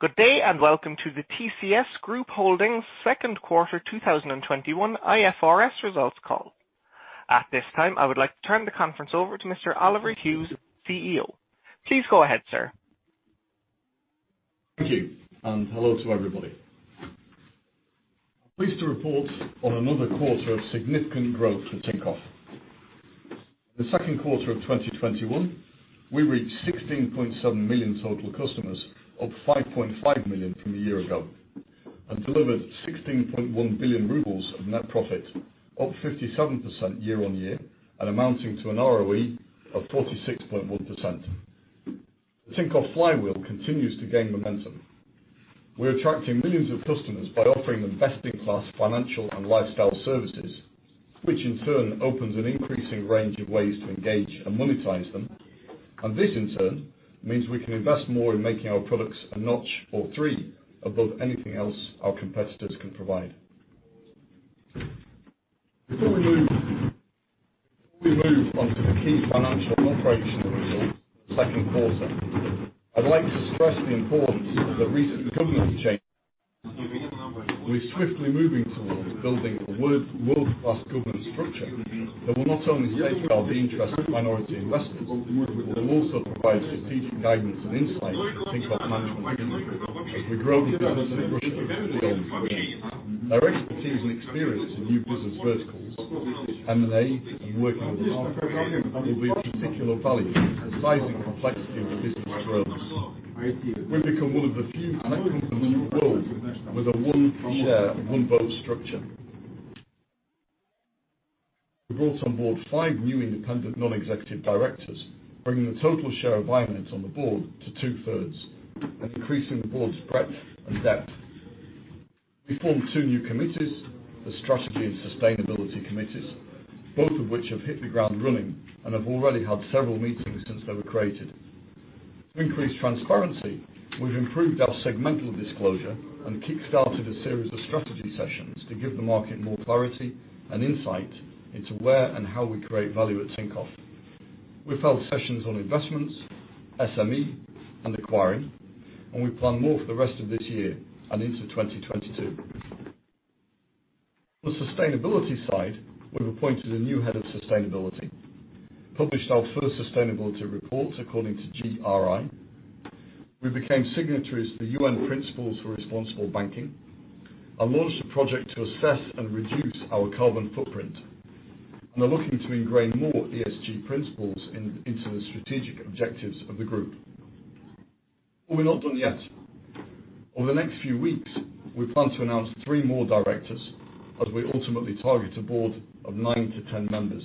Good day, welcome to the TCS Group Holdings Q2 2021 IFRS results call. At this time, I would like to turn the conference over to Mr. Oliver Hughes, CEO. Please go ahead, sir. Thank you, and hello to everybody. Pleased to report on another quarter of significant growth for Tinkoff. The second quarter of 2021, we reached 16.7 million total customers, up 5.5 million from a year ago, and delivered 16.1 billion rubles of net profit, up 57% year-on-year, and amounting to an ROE of 46.1%. The Tinkoff flywheel continues to gain momentum. We're attracting millions of customers by offering them best-in-class financial and lifestyle services, which in turn opens an increasing range of ways to engage and monetize them. This in turn, means we can invest more in making our products a notch or three above anything else our competitors can provide. Before we move on to the key financial and operational results Q2, I'd like to stress the importance of the recent governance changes. We're swiftly moving towards building a world-class governance structure that will not only safeguard the interest of minority investors, but will also provide strategic guidance and insight to Tinkoff management as we grow the business in Russia and beyond. Their expertise and experience to new business verticals, M&A and working with large companies will be of particular value considering the size and complexity of the business we're in. We've become one of the few tech companies in the world with a one share, one vote structure. We brought on board five new independent non-executive directors, bringing the total share of independents on the board to 2/3 and increasing the board's breadth and depth. We formed two new committees, the strategy and sustainability committees, both of which have hit the ground running and have already held several meetings since they were created. To increase transparency, we've improved our segmental disclosure and kickstarted a series of strategy sessions to give the market more clarity and insight into where and how we create value at Tinkoff. We've held sessions on investments, SME, and acquiring, and we plan more for the rest of this year and into 2022. On the sustainability side, we've appointed a new head of sustainability, published our first sustainability report according to GRI. We became signatories to the UN Principles for Responsible Banking, and launched a project to assess and reduce our carbon footprint, and are looking to ingrain more ESG principles into the strategic objectives of the group. We're not done yet. Over the next few weeks, we plan to announce three more directors as we ultimately target a board ofnine-ten members.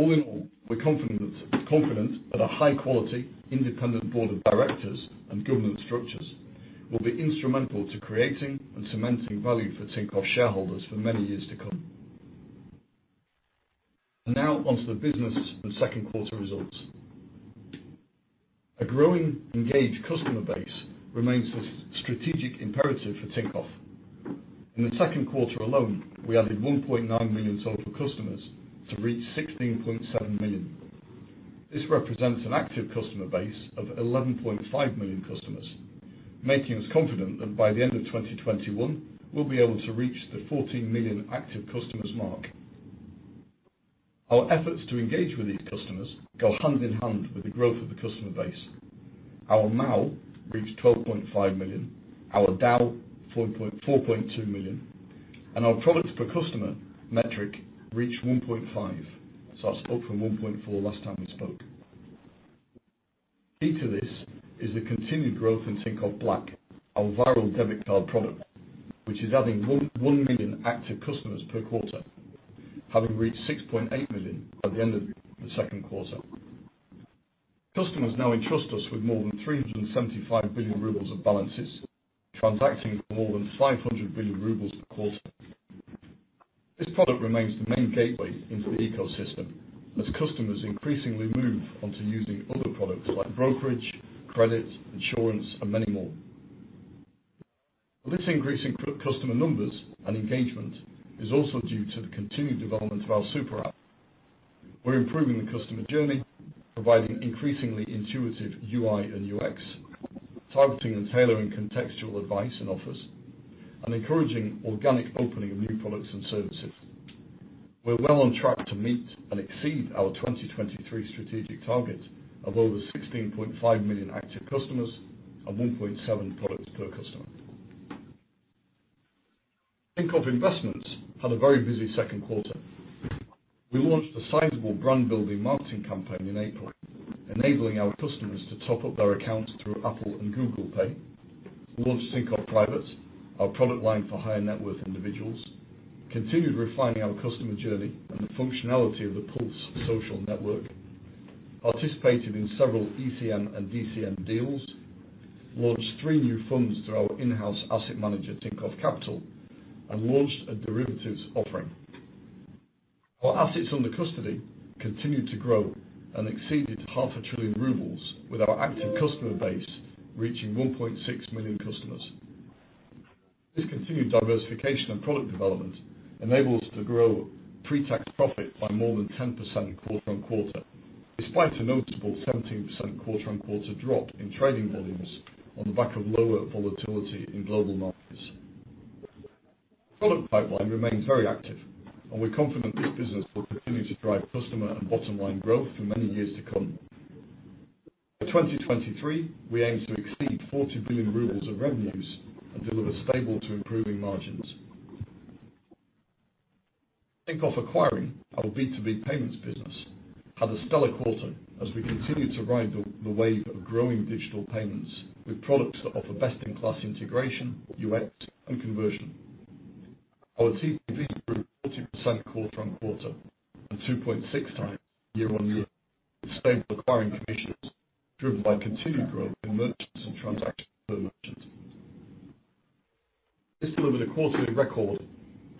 All in all, we're confident that a high quality, independent board of directors and governance structures will be instrumental to creating and cementing value for Tinkoff shareholders for many years to come. Now onto the business and second quarter results. A growing engaged customer base remains a strategic imperative for Tinkoff. In the second quarter alone, we added 1.9 million total customers to reach 16.7 million. This represents an active customer base of 11.5 million customers, making us confident that by the end of 2021, we'll be able to reach the 14 million active customers mark. Our efforts to engage with these customers go hand in hand with the growth of the customer base. Our MAU reached 12.5 million, our DAU, 4.2 million, and our products per customer metric reached 1.5. It was up from 1.4 last time we spoke. Key to this is the continued growth in Tinkoff Black, our viral debit card product, which is adding 1 million active customers per quarter, having reached 6.8 million by the end of the Q2. Customers now entrust us with more than 375 billion rubles of balances, transacting more than 500 billion rubles per quarter. This product remains the main gateway into the ecosystem as customers increasingly move on to using other products like brokerage, credit, insurance, and many more. This increase in customer numbers and engagement is also due to the continued development of our super app. We're improving the customer journey, providing increasingly intuitive UI and UX, targeting and tailoring contextual advice and offers, and encouraging organic opening of new products and services. We're well on track to meet and exceed our 2023 strategic targets of over 16.5 million active customers and 1.7 products per customer. Tinkoff Investments had a very busy Q2. We launched a sizable brand building marketing campaign in April, enabling our customers to top up their accounts through Apple and Google Pay. We launched Tinkoff Private, our product line for higher net worth individuals, continued refining our customer journey and the functionality of the Pulse social network, participated in several ECM and DCM deals, launched three new funds through our in-house asset manager, Tinkoff Capital, and launched a derivatives offering. Our assets under custody continued to grow and exceeded half a trillion RUB with our active customer base reaching 1.6 million customers. This continued diversification and product development enables us to grow pre-tax profit by more than 10% quarter-on-quarter, despite a noticeable 17% quarter-on-quarter drop in trading volumes on the back of lower volatility in global markets. Product pipeline remains very active, and we're confident this business will continue to drive customer and bottom-line growth for many years to come. By 2023, we aim to exceed 40 billion rubles of revenues and deliver stable to improving margins. Tinkoff Acquiring, our B2B payments business, had a stellar quarter as we continued to ride the wave of growing digital payments with products that offer best-in-class integration, UX, and conversion. Our TPV grew 40% quarter-on-quarter and 2.6x year-on-year, with stable acquiring commissions driven by continued growth in merchants and transactions per merchant. This delivered a quarterly record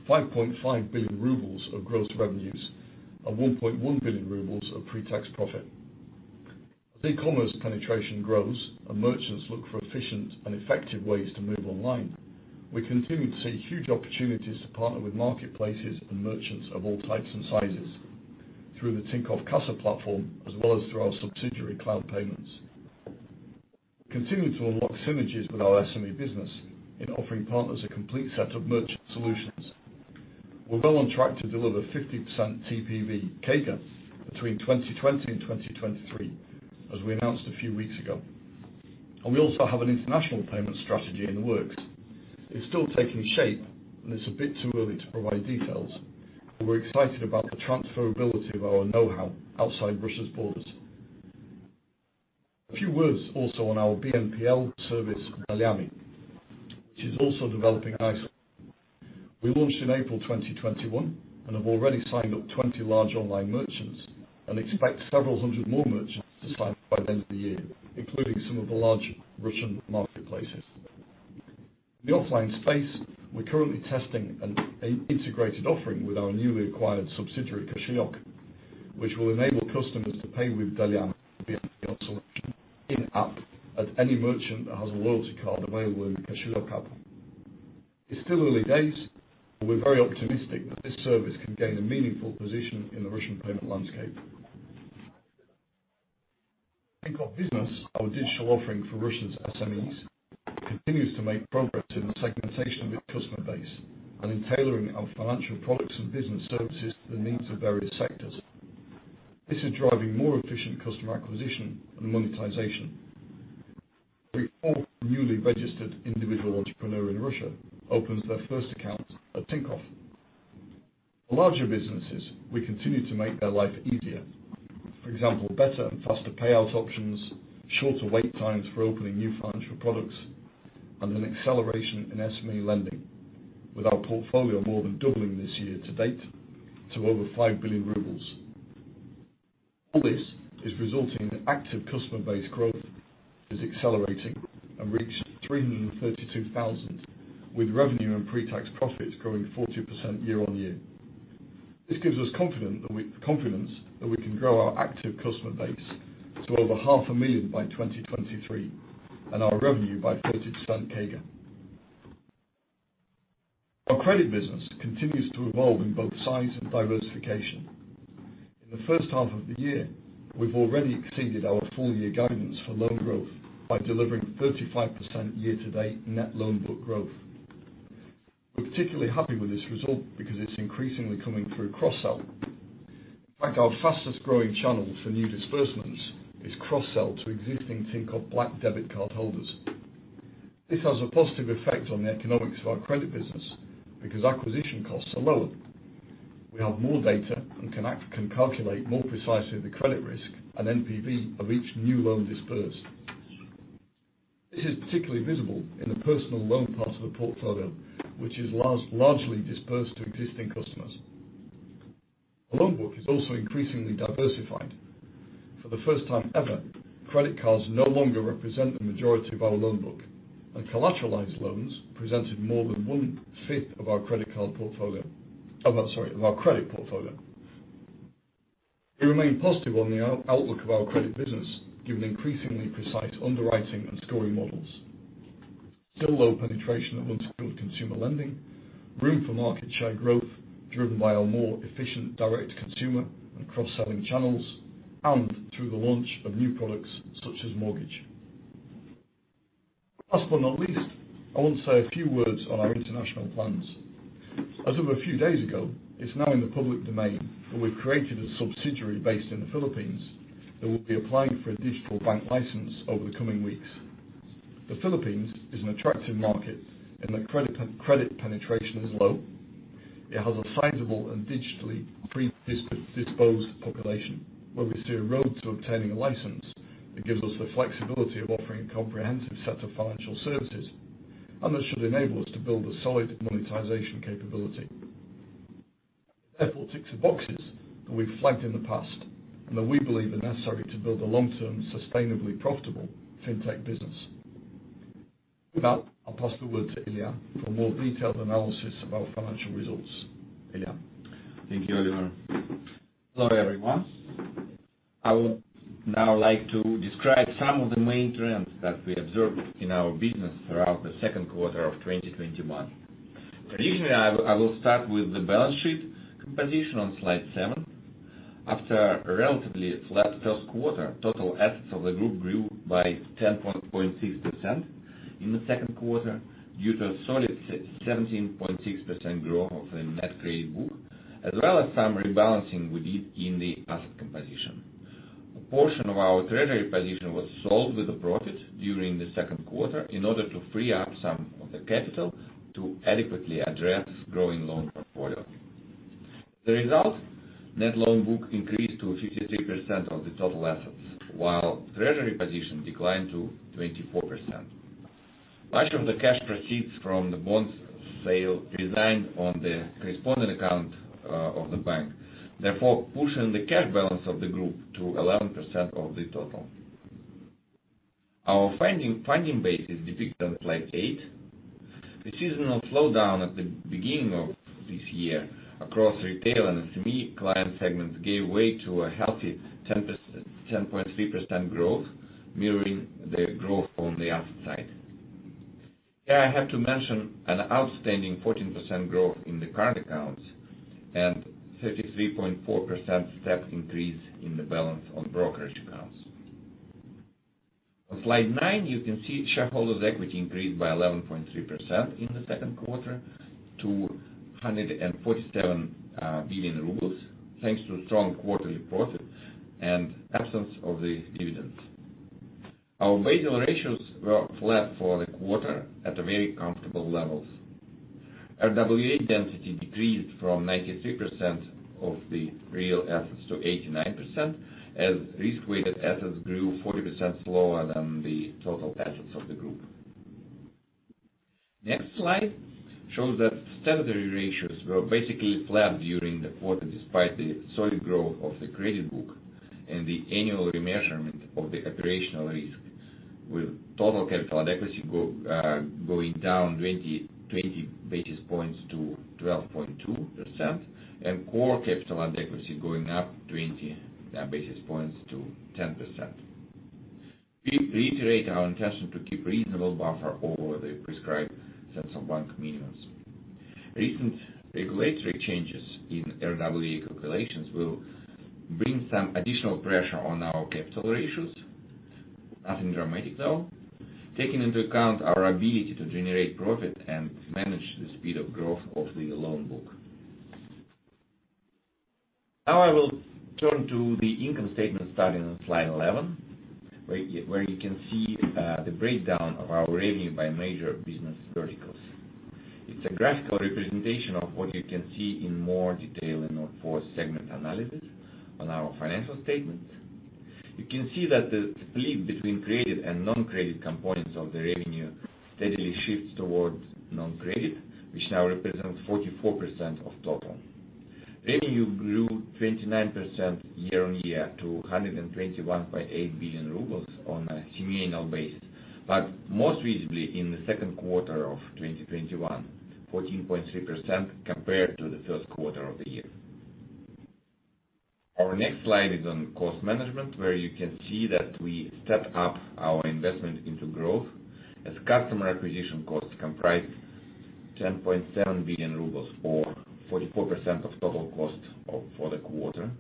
5.5 billion rubles of gross revenues and 1.1 billion rubles of pre-tax profit. As e-commerce penetration grows and merchants look for efficient and effective ways to move online, we're continuing to see huge opportunities to partner with marketplaces and merchants of all types and sizes through the Tinkoff Kassa platform, as well as through our subsidiary CloudPayments. We're continuing to unlock synergies with our SME business in offering partners a complete set of merchant solutions. We're well on track to deliver 50% TPV CAGR between 2020 and 2023, as we announced a few weeks ago. We also have an international payment strategy in the works. It's still taking shape, and it's a bit too early to provide details, but we're excited about the transferability of our know-how outside Russia's borders. A few words also on our BNPL service, Dolyami, which is also developing nicely. We launched in April 2021 and have already signed up 20 large online merchants and expect several hundred more merchants to sign up by the end of the year, including some of the large Russian marketplaces. In the offline space, we're currently testing an integrated offering with our newly acquired subsidiary, Koshelek, which will enable customers to pay with Dolyami BNPL solution in app at any merchant that has a loyalty card available in Koshelek app. It's still early days, but we're very optimistic that this service can gain a meaningful position in the Russian payment landscape. Tinkoff Business, our digital offering for Russia's SMEs, continues to make progress in the segmentation of its customer base and in tailoring our financial products and business services to the needs of various sectors. This is driving more efficient customer acquisition and monetization. Every four newly registered individual entrepreneur in Russia opens their first account at Tinkoff. For larger businesses, we continue to make their life easier. For example, better and faster payout options, shorter wait times for opening new financial products, and an acceleration in SME lending with our portfolio more than doubling this year-to-date to over 5 billion rubles. All this is resulting in active customer base growth that is accelerating and reached 332,000, with revenue and pre-tax profits growing 40% year-on-year. This gives us confidence that we can grow our active customer base to over 500,000 by 2023 and our revenue by 30% CAGR. Our credit business continues to evolve in both size and diversification. In the first half of the year, we've already exceeded our full-year guidance for loan growth by delivering 35% year-to-date net loan book growth. We're particularly happy with this result because it's increasingly coming through cross-sell. In fact, our fastest-growing channel for new disbursements is cross-sell to existing Tinkoff Black debit card holders. This has a positive effect on the economics of our credit business because acquisition costs are lower. We have more data and can calculate more precisely the credit risk and NPV of each new loan dispersed. This is particularly visible in the personal loan part of the portfolio, which is largely dispersed to existing customers. Our loan book is also increasingly diversified. For the first time ever, credit cards no longer represent the majority of our loan book, and collateralized loans presented more than one-fifth of our credit portfolio. We remain positive on the outlook of our credit business, given increasingly precise underwriting and scoring models. Still low penetration of unsecured consumer lending, room for market share growth driven by our more efficient direct consumer and cross-selling channels, and through the launch of new products such as mortgage. Last but not least, I want to say a few words on our international plans. As of a few days ago, it's now in the public domain, but we've created a subsidiary based in the Philippines that will be applying for a digital bank license over the coming weeks. The Philippines is an attractive market in that credit penetration is low. It has a sizable and digitally predisposed population, where we see a road to obtaining a license that gives us the flexibility of offering a comprehensive set of financial services, and that should enable us to build a solid monetization capability. It therefore ticks the boxes that we've flagged in the past and that we believe are necessary to build a long-term, sustainably profitable fintech business. With that, I'll pass the word to Ilya for more detailed analysis of our financial results. Ilya? Thank you, Oliver. Hello, everyone. I would now like to describe some of the main trends that we observed in our business throughout the second quarter of 2021. Traditionally, I will start with the balance sheet composition on slide seven. After a relatively flat first quarter, total assets of the Group grew by 10.6% in the second quarter due to solid 17.6% growth of the net trade book, as well as some rebalancing we did in the asset composition. A portion of our treasury position was sold with a profit during the second quarter in order to free up some of the capital to adequately address growing loan portfolio. The result, net loan book increased to 53% of the total assets, while treasury position declined to 24%. Much of the cash proceeds from the bonds sale reside on the corresponding account of the bank, therefore pushing the cash balance of the group to 11% of the total. Our funding base is depicted on slide eight. The seasonal slowdown at the beginning of this year across retail and SME client segments gave way to a healthy 10.3% growth, mirroring the growth on the asset side. Here I have to mention an outstanding 14% growth in the current accounts and 33.4% step increase in the balance on brokerage accounts. On slide nine, you can see shareholders' equity increased by 11.3% in the second quarter to 147 billion rubles, thanks to strong quarterly profits and absence of the dividends. Our Basel ratios were flat for the quarter at very comfortable levels. RWA density decreased from 93% of the real assets to 89% as risk-weighted assets grew 40% slower than the total assets of the group. Next slide shows that statutory ratios were basically flat during the quarter, despite the solid growth of the credit book and the annual remeasurement of the operational risk with total capital adequacy going down 20 basis points to 12.2%, and core capital adequacy going up 20 basis points to 10%. We reiterate our intention to keep reasonable buffer over the prescribed Central Bank minimums. Recent regulatory changes in RWA calculations will bring some additional pressure on our capital ratios, nothing dramatic, though, taking into account our ability to generate profit and manage the speed of growth of the loan book. I will turn to the income statement starting on slide 11, where you can see the breakdown of our revenue by major business verticals. It's a graphical representation of what you can see in more detail in our four-segment analysis on our financial statements. You can see that the split between credit and non-credit components of the revenue steadily shifts towards non-credit, which now represents 44% of total. Revenue grew 29% year-on-year to 121.8 billion rubles on a semi-annual base, but most visibly in the second quarter of 2021, 14.3% compared to the first quarter of the year. Our next slide is on cost management, where you can see that we stepped up our investment into growth as customer acquisition costs comprise 10.7 billion rubles or 44% of total cost for the quarter.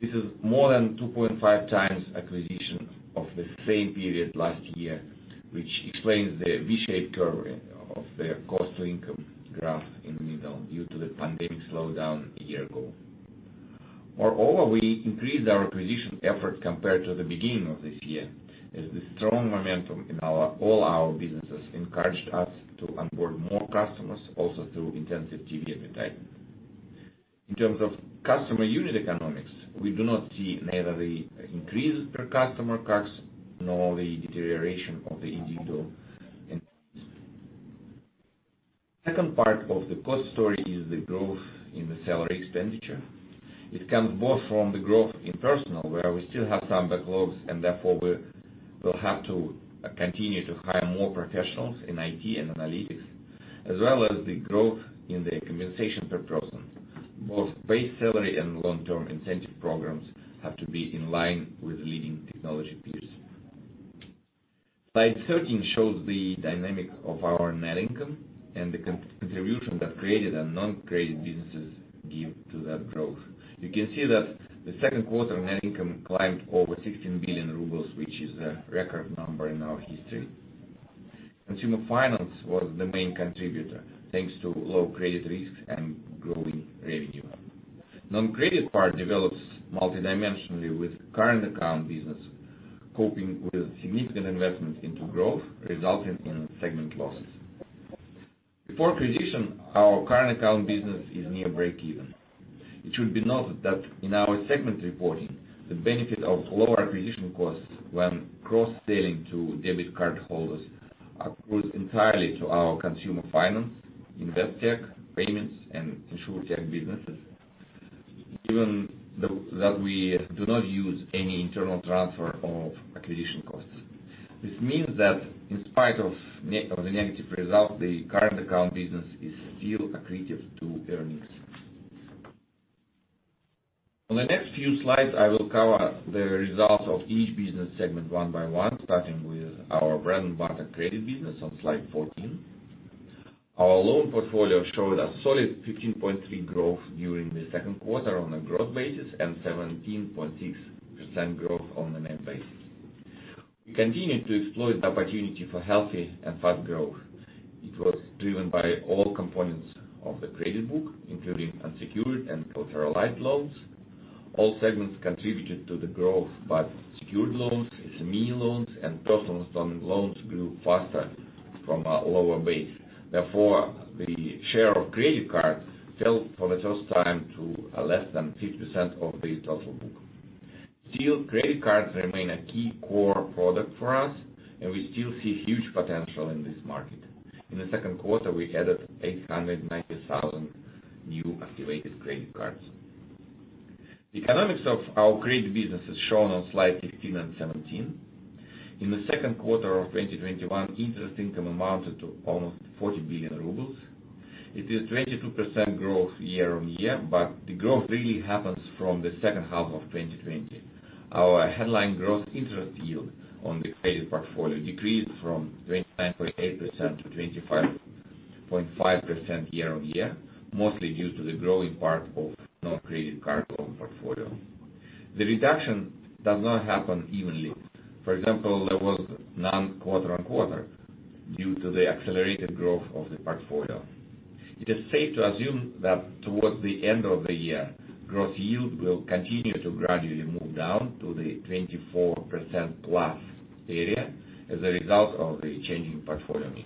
This is more than 2.5x acquisition of the same period last year, which explains the V-shaped curve of the cost-to-income graph in the middle, due to the pandemic slowdown a year ago. Moreover, we increased our acquisition efforts compared to the beginning of this year, as the strong momentum in all our businesses encouraged us to onboard more customers, also through intensive TV advertising. The second part of the cost story is the growth in the salary expenditure. It comes both from the growth in personnel, where we still have some backlogs, and therefore we will have to continue to hire more professionals in IT and analytics, as well as the growth in the compensation per person. Both base salary and long-term incentive programs have to be in line with leading technology peers. Slide 13 shows the dynamic of our net income and the contribution that credit and non-credit businesses give to that growth. You can see that the second quarter net income climbed over 16 billion rubles, which is a record number in our history. Consumer finance was the main contributor, thanks to low credit risk and growing revenue. Non-credit part develops multi-dimensionally with current account business coping with significant investments into growth, resulting in segment losses. Before acquisition, our current account business is near breakeven. It should be noted that in our segment reporting, the benefit of lower acquisition costs when cross-selling to debit card holders accrues entirely to our consumer finance, InvestTech, payments, and InsureTech businesses, given that we do not use any internal transfer of acquisition costs. This means that in spite of the negative result, the current account business is still accretive to earnings. On the next few slides, I will cover the results of each business segment one by one, starting with our bread-and-butter credit business on slide 14. Our loan portfolio showed a solid 15.3% growth during the second quarter on a growth basis and 17.6% growth on the net basis. We continue to exploit the opportunity for healthy and fast growth. It was driven by all components of the credit book, including unsecured and collateralized loans. All segments contributed to the growth, but secured loans, SME loans, and personal loan loans grew faster from a lower base. Therefore, the share of credit cards fell for the first time to less than 50% of the total book. Still, credit cards remain a key core product for us, and we still see huge potential in this market. In the second quarter, we added 890,000 new activated credit cards. The economics of our credit business is shown on slide 15 and 17. In the second quarter of 2021, interest income amounted to almost 40 billion rubles. It is 22% growth year-on-year, but the growth really happens from the second half of 2020. Our headline gross interest yield on the credit portfolio decreased from 29.8% to 25.5% year-on-year, mostly due to the growing part of non-credit card loan portfolio. The reduction does not happen evenly. For example, there was none quarter-on-quarter due to the accelerated growth of the portfolio. It is safe to assume that towards the end of the year, gross yield will continue to gradually move down to the 24%+ area as a result of the changing portfolio mix.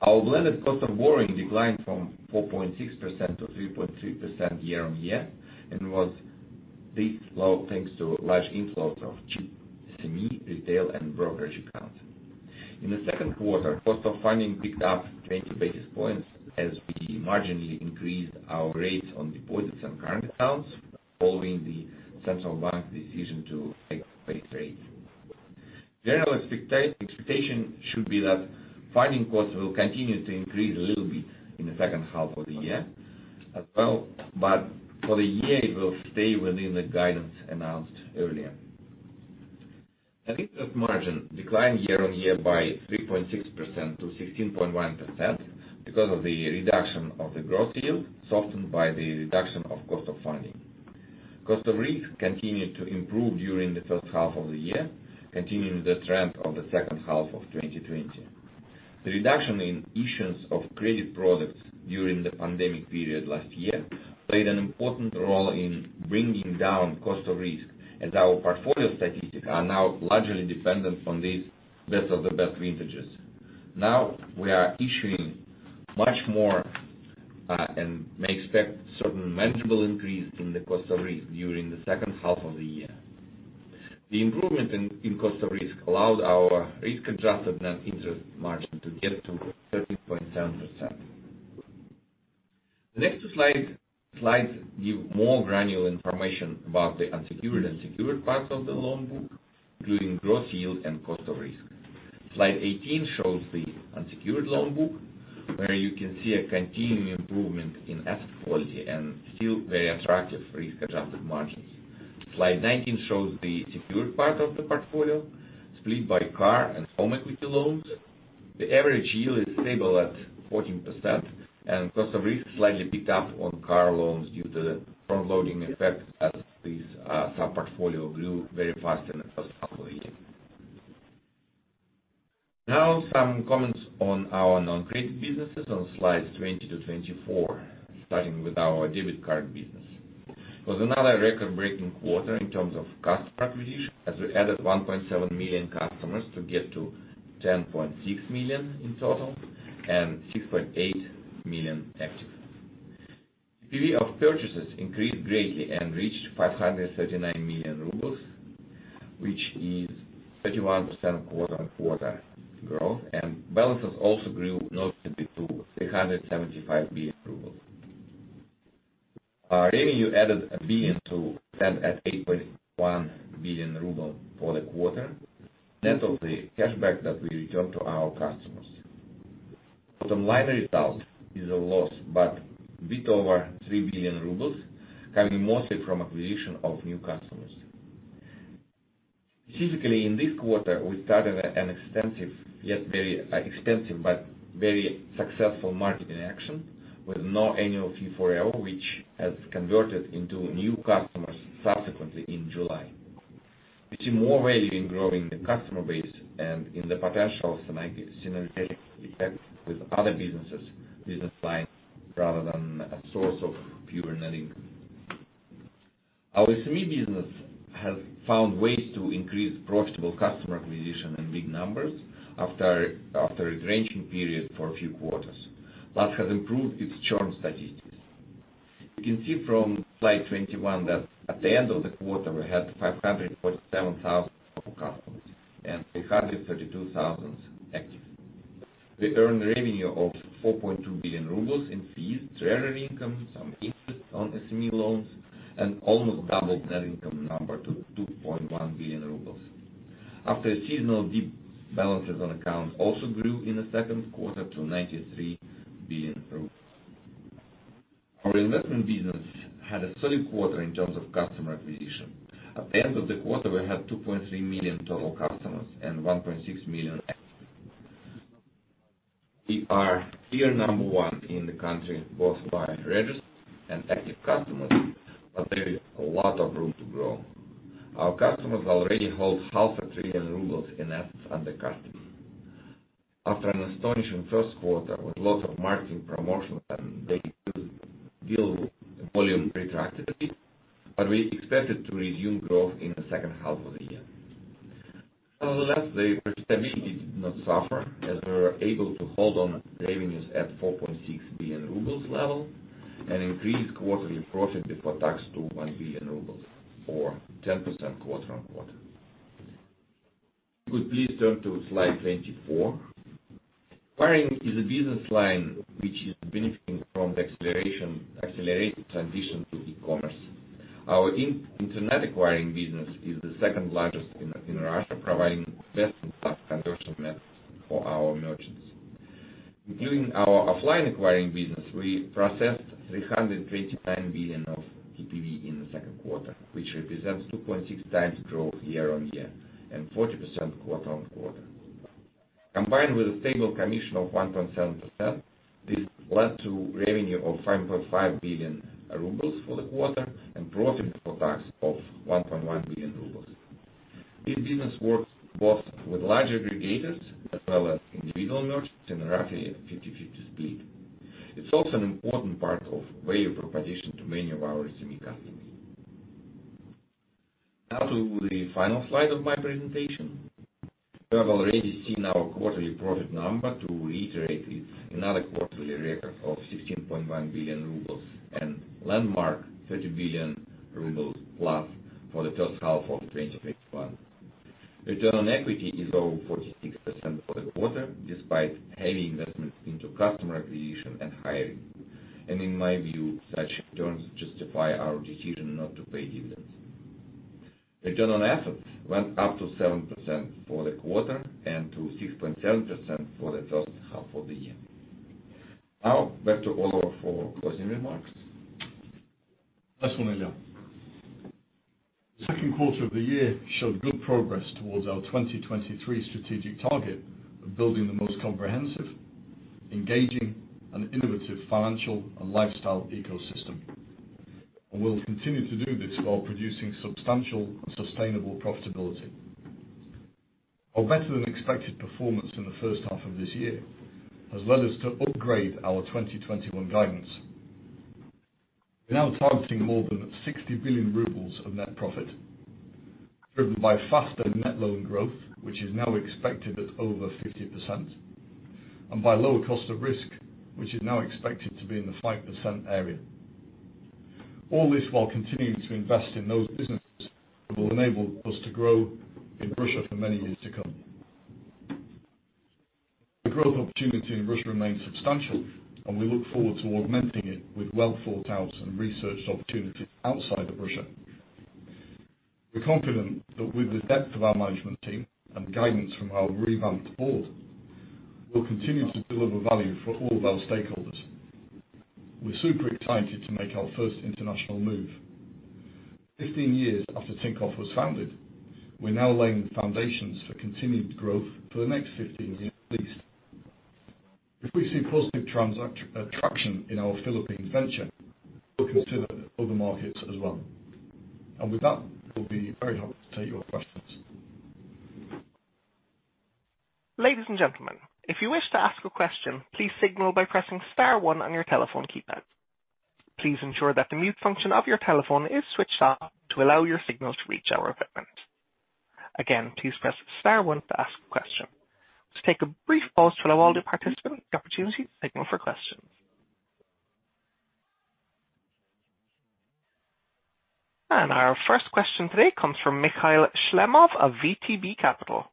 Our blended cost of borrowing declined from 4.6% to 3.3% year-on-year and was this low thanks to large inflows of cheap SME, retail, and brokerage accounts. In the second quarter, cost of funding picked up 20 basis points as we marginally increased our rates on deposits and current accounts following the Central Bank's decision to hike base rate. For the year, it will stay within the guidance announced earlier. Net interest margin declined year-on-year by 3.6% to 16.1% because of the reduction of the growth yield, softened by the reduction of cost of funding. Cost of risk continued to improve during the first half of the year, continuing the trend of the second half of 2020. The reduction in issuance of credit products during the pandemic period last year played an important role in bringing down cost of risk, as our portfolio statistics are now largely dependent on these best of the best vintages. Now, we are issuing much more and may expect certain manageable increase in the cost of risk during the second half of the year. The improvement in cost of risk allowed our risk-adjusted net interest margin to get to 13.7%. The next two slides give more granular information about the unsecured and secured parts of the loan book, including growth yield, and cost of risk. Slide 18 shows the unsecured loan book where you can see a continuing improvement in asset quality and still very attractive risk-adjusted margins. Slide 19 shows the secured part of the portfolio split by car and home equity loans. The average yield is stable at 14% and cost of risk slightly picked up on car loans due to the front-loading effect as this sub-portfolio grew very fast in the first half of the year. Some comments on our non-credit businesses on slides 20 to 24, starting with our debit card business. It was another record-breaking quarter in terms of customer acquisition, as we added 1.7 million customers to get to 10.6 million in total and 6.8 million active. GPV of purchases increased greatly and reached 539 million rubles, which is 31% quarter-on-quarter growth, and balances also grew noticeably to 375 billion rubles. Our revenue added 1 billion to stand at 8.1 billion rubles for the quarter, net of the cashback that we return to our customers. Bottom line result is a loss, but a bit over 3 billion rubles, coming mostly from acquisition of new customers. Physically, in this quarter, we started an extensive, yet very expensive but very successful marketing action with no annual fee forever, which has converted into new customers subsequently in July. We see more value in growing the customer base and in the potential synergetic effects with other business lines rather than a source of pure net income. Our SME business has found ways to increase profitable customer acquisition in big numbers after a ranging period for a few quarters that has improved its churn statistics. You can see from slide 21 that at the end of the quarter, we had 547,000 total customers and 332,000 active. We earned revenue of 4.2 billion rubles in fees, treasury income, some interest on SME loans, and almost doubled that income number to 2.1 billion rubles. After a seasonal dip, balances on accounts also grew in the second quarter to RUB 93 billion. Our investment business had a solid quarter in terms of customer acquisition. At the end of the quarter, we had 2.3 million total customers and 1.6 million active. We are clear number one in the country, both by registered and active customers, but there is a lot of room to grow. Our customers already hold half a trillion rubles in assets under custody. After an astonishing Q1 with lots of marketing promotions, and they could deal, volume retracted a bit, but we expected to resume growth in the second half of the year. Nonetheless, the profitability did not suffer, as we were able to hold on revenues at 4.6 billion rubles level and increase quarterly profit before tax to 1 billion rubles or 10% quarter-on-quarter. Could you please turn to slide 24? Acquiring is a business line which is benefiting from the accelerated transition to e-commerce. Our internet acquiring business is the second largest in Russia, providing best-in-class conversion methods for our merchants. Including our offline acquiring business, we processed 329 billion of TPV in the second quarter, which represents 2.6 times growth year-on-year and 40% quarter-on-quarter. Combined with a stable commission of 1.7%, this led to revenue of 5.5 billion rubles for the quarter and profit before tax of 1.1 billion rubles. This business works both with large aggregators as well as individual merchants, in roughly a 50/50 split. It is also an important part of value proposition to many of our SME customers. Now to the final slide of my presentation. You have already seen our quarterly profit number. To reiterate, it is another quarterly record of 16.1 billion rubles and landmark 30 billion rubles+ for the first half of 2021. Return on equity is over 46% for the quarter, despite heavy investments into customer acquisition and hiring. In my view, such returns justify our decision not to pay dividends. Return on assets went up to seven percent for the quarter and to 6.7% for the first half of the year. Now back to Oliver for closing remarks. Thanks, Ilya. Second quarter of the year showed good progress towards our 2023 strategic target of building the most comprehensive, engaging, and innovative financial and lifestyle ecosystem. We'll continue to do this while producing substantial sustainable profitability. Our better than expected performance in the first half of this year has led us to upgrade our 2021 guidance. We're now targeting more than 60 billion rubles of net profit, driven by faster net loan growth, which is now expected at over 50%, and by lower cost of risk, which is now expected to be in the five percent area. All this while continuing to invest in those businesses that will enable us to grow in Russia for many years to come. The growth opportunity in Russia remains substantial, and we look forward to augmenting it with well-thought-out and researched opportunities outside of Russia. We're confident that with the depth of our management team and guidance from our revamped board, we'll continue to deliver value for all of our stakeholders. We're super excited to make our first international move. 15 years after Tinkoff was founded, we're now laying the foundations for continued growth for the next 15 years at least. If we see positive traction in our Philippines venture, we'll consider other markets as well. With that, we'll be very happy to take your questions. Ladies and gentlemen, if you wish to ask a question, please signal by pressing star one on your telephone keypad. Please ensure that the mute function of your telephone is switched off to allow your signal to reach our equipment. Again, please press star one to ask a question. Let's take a brief pause to allow all the participants the opportunity to signal for questions. Our first question today comes from Mikhail Shlemov of VTB Capital.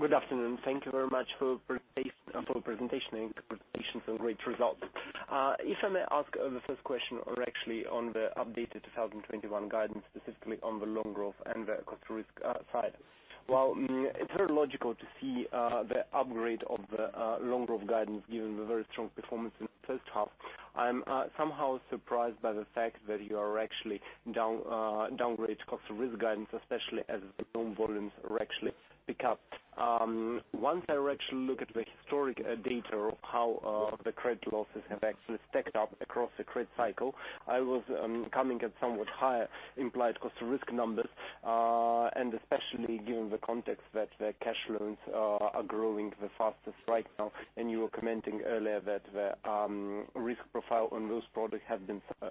Good afternoon. Thank you very much for the presentation and congratulations on great results. If I may ask the first question, or actually, on the updated 2021 guidance, specifically on the loan growth and the cost risk side. While it's very logical to see the upgrade of the loan growth guidance, given the very strong performance in the first half, I'm somehow surprised by the fact that you are actually downgrade cost of risk guidance, especially as the loan volumes are actually picked up. Once I actually look at the historic data of how the credit losses have actually stacked up across the credit cycle, I was coming at somewhat higher implied cost of risk numbers. Especially given the context that the cash loans are growing the fastest right now, and you were commenting earlier that the risk profile on those products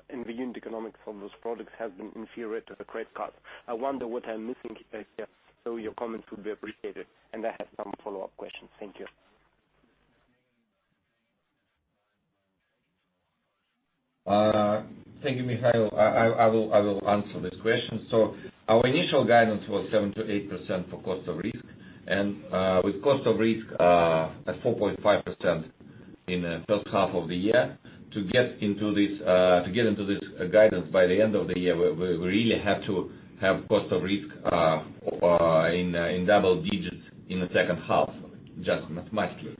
And the unit economics on those products have been inferior to the credit cards. I wonder what I'm missing here, so your comments would be appreciated. I have some follow-up questions. Thank you. Thank you, Mikhail. I will answer this question. Our initial guidance was seven-eight percent for cost of risk, and with cost of risk at 4.5% in the first half of the year, to get into this guidance by the end of the year, we really have to have cost of risk in double digits in the second half, just mathematically.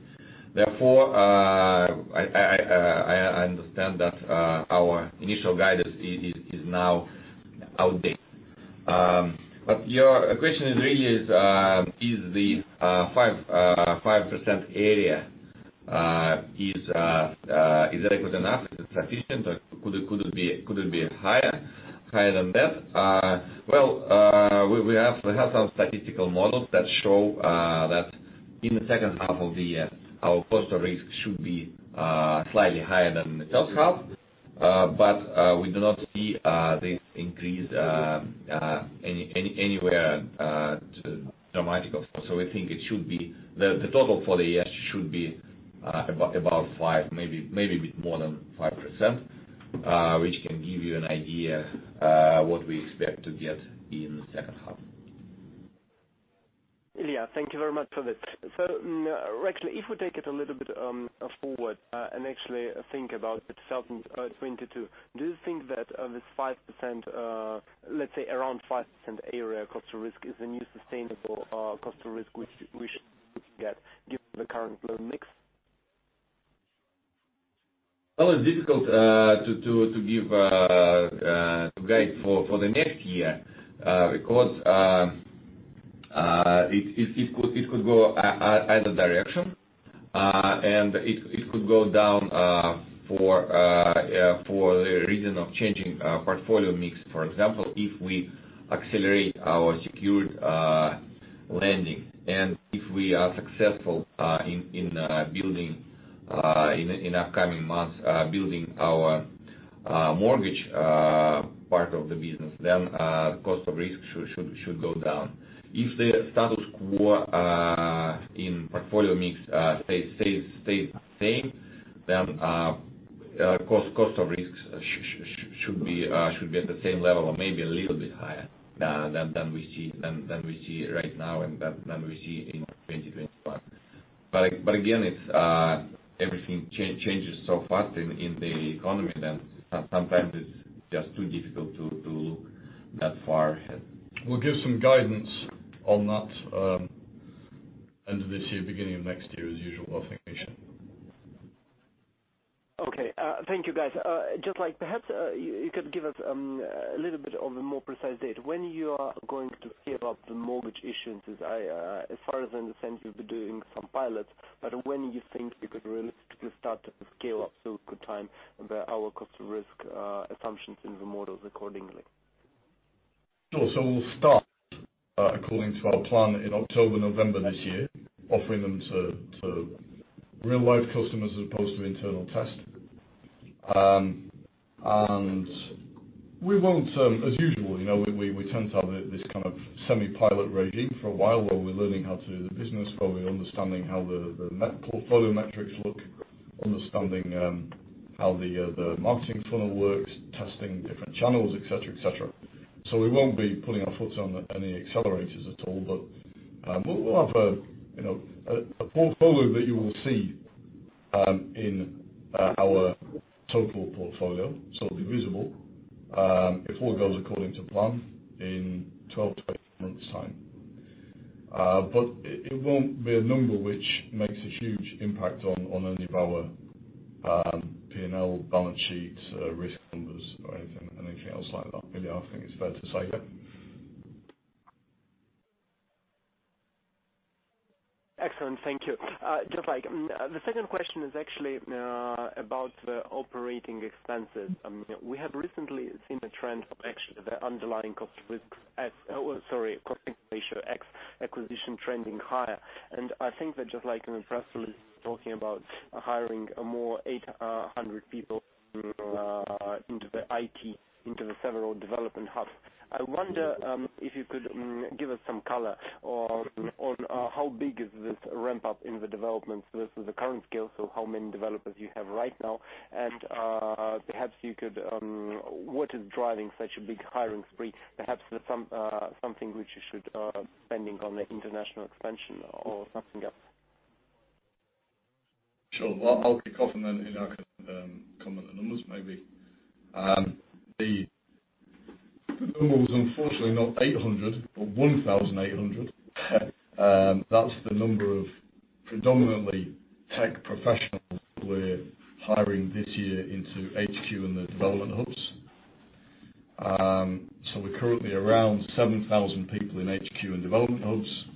Therefore, I understand that our initial guidance is now outdated. Your question really is the five percent area is adequate enough, is it sufficient, or could it be higher than that? We have some statistical models that show that in the second half of the year, our cost of risk should be slightly higher than the first half. We do not see this increase anywhere to dramatic effect. We think the total for the year should be about five percent, maybe a bit more than five percent, which can give you an idea what we expect to get in the second half. Ilya, thank you very much for this. Actually, if we take it a little bit forward and actually think about 2022, do you think that this, let's say, around five percent area cost of risk is a new sustainable cost of risk we should get given the current loan mix? It's difficult to give a guide for the next year because it could go either direction. It could go down for the reason of changing portfolio mix. For example, if we accelerate our secured lending, and if we are successful in upcoming months building our mortgage part of the business, then cost of risk should go down. If the status quo in portfolio mix stays the same, then cost of risks should be at the same level or maybe a little bit higher than we see right now, and than we see in 2021. Again, everything changes so fast in the economy, then sometimes it's just too difficult to look that far ahead. We'll give some guidance on that end of this year, beginning of next year as usual, I think, Misha. Okay. Thank you, guys. Just like perhaps you could give us a little bit of a more precise date. When you are going to scale up the mortgage issuance? As far as I understand, you'll be doing some pilots, but when you think we could realistically start to scale up so we could time our cost of risk assumptions in the models accordingly? Sure. We'll start, according to our plan, in October, November this year, offering them to real life customers as opposed to internal test. We won't, as usual, we tend to have this kind of semi-pilot regime for a while, where we're learning how to do the business, where we're understanding how the portfolio metrics look, understanding how the marketing funnel works, testing different channels, et cetera. We won't be putting our feet on any accelerators at all. We'll have a portfolio that you will see in our total portfolio, so it'll be visible if all goes according to plan in 12-18 months' time. It won't be a number which makes a huge impact on any of our P&L balance sheets, risk numbers or anything else like that, Ilya, I think it's fair to say. Excellent. Thank you. Just like the second question is actually about the operating expenses. We have recently seen a trend of actually the underlying cost ratio ex acquisition trending higher. I think that Just Like in the press release talking about hiring a more 800 people into the IT, into the several development hubs. I wonder if you could give us some color on how big is this ramp up in the development versus the current scale, so how many developers you have right now, and perhaps what is driving such a big hiring spree? Perhaps there's something spending on the international expansion or something else. Sure. Well, I'll kick off, and then Ilya can come with the numbers maybe. The number was unfortunately not 800, but 1,800. That's the number of predominantly tech professionals we're hiring this year into HQ and the development hubs. We're currently around 7,000 people in HQ and development hubs,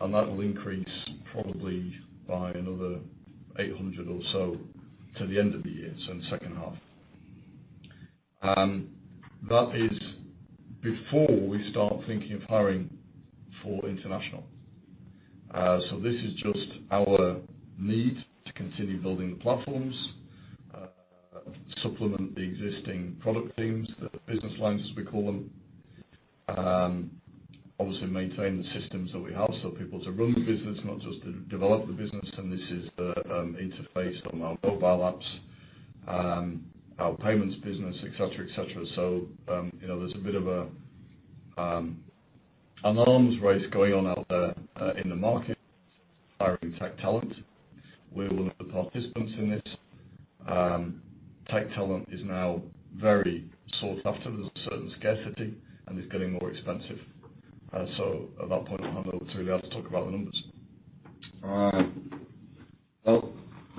and that will increase probably by another 800 or so to the end of the year, so in the second half. That is before we start thinking of hiring for international. This is just our need to continue building the platforms, supplement the existing product teams, the business lines, as we call them, obviously maintain the systems that we have, so people to run the business, not just to develop the business. This is the interface on our mobile apps, our payments business, et cetera. There's a bit of an arms race going on out there in the market, hiring tech talent. We're one of the participants in this. Tech talent is now very sought after. There's a certain scarcity, and it's getting more expensive. At that point, I'll hand over to Ilya to talk about the numbers. Well,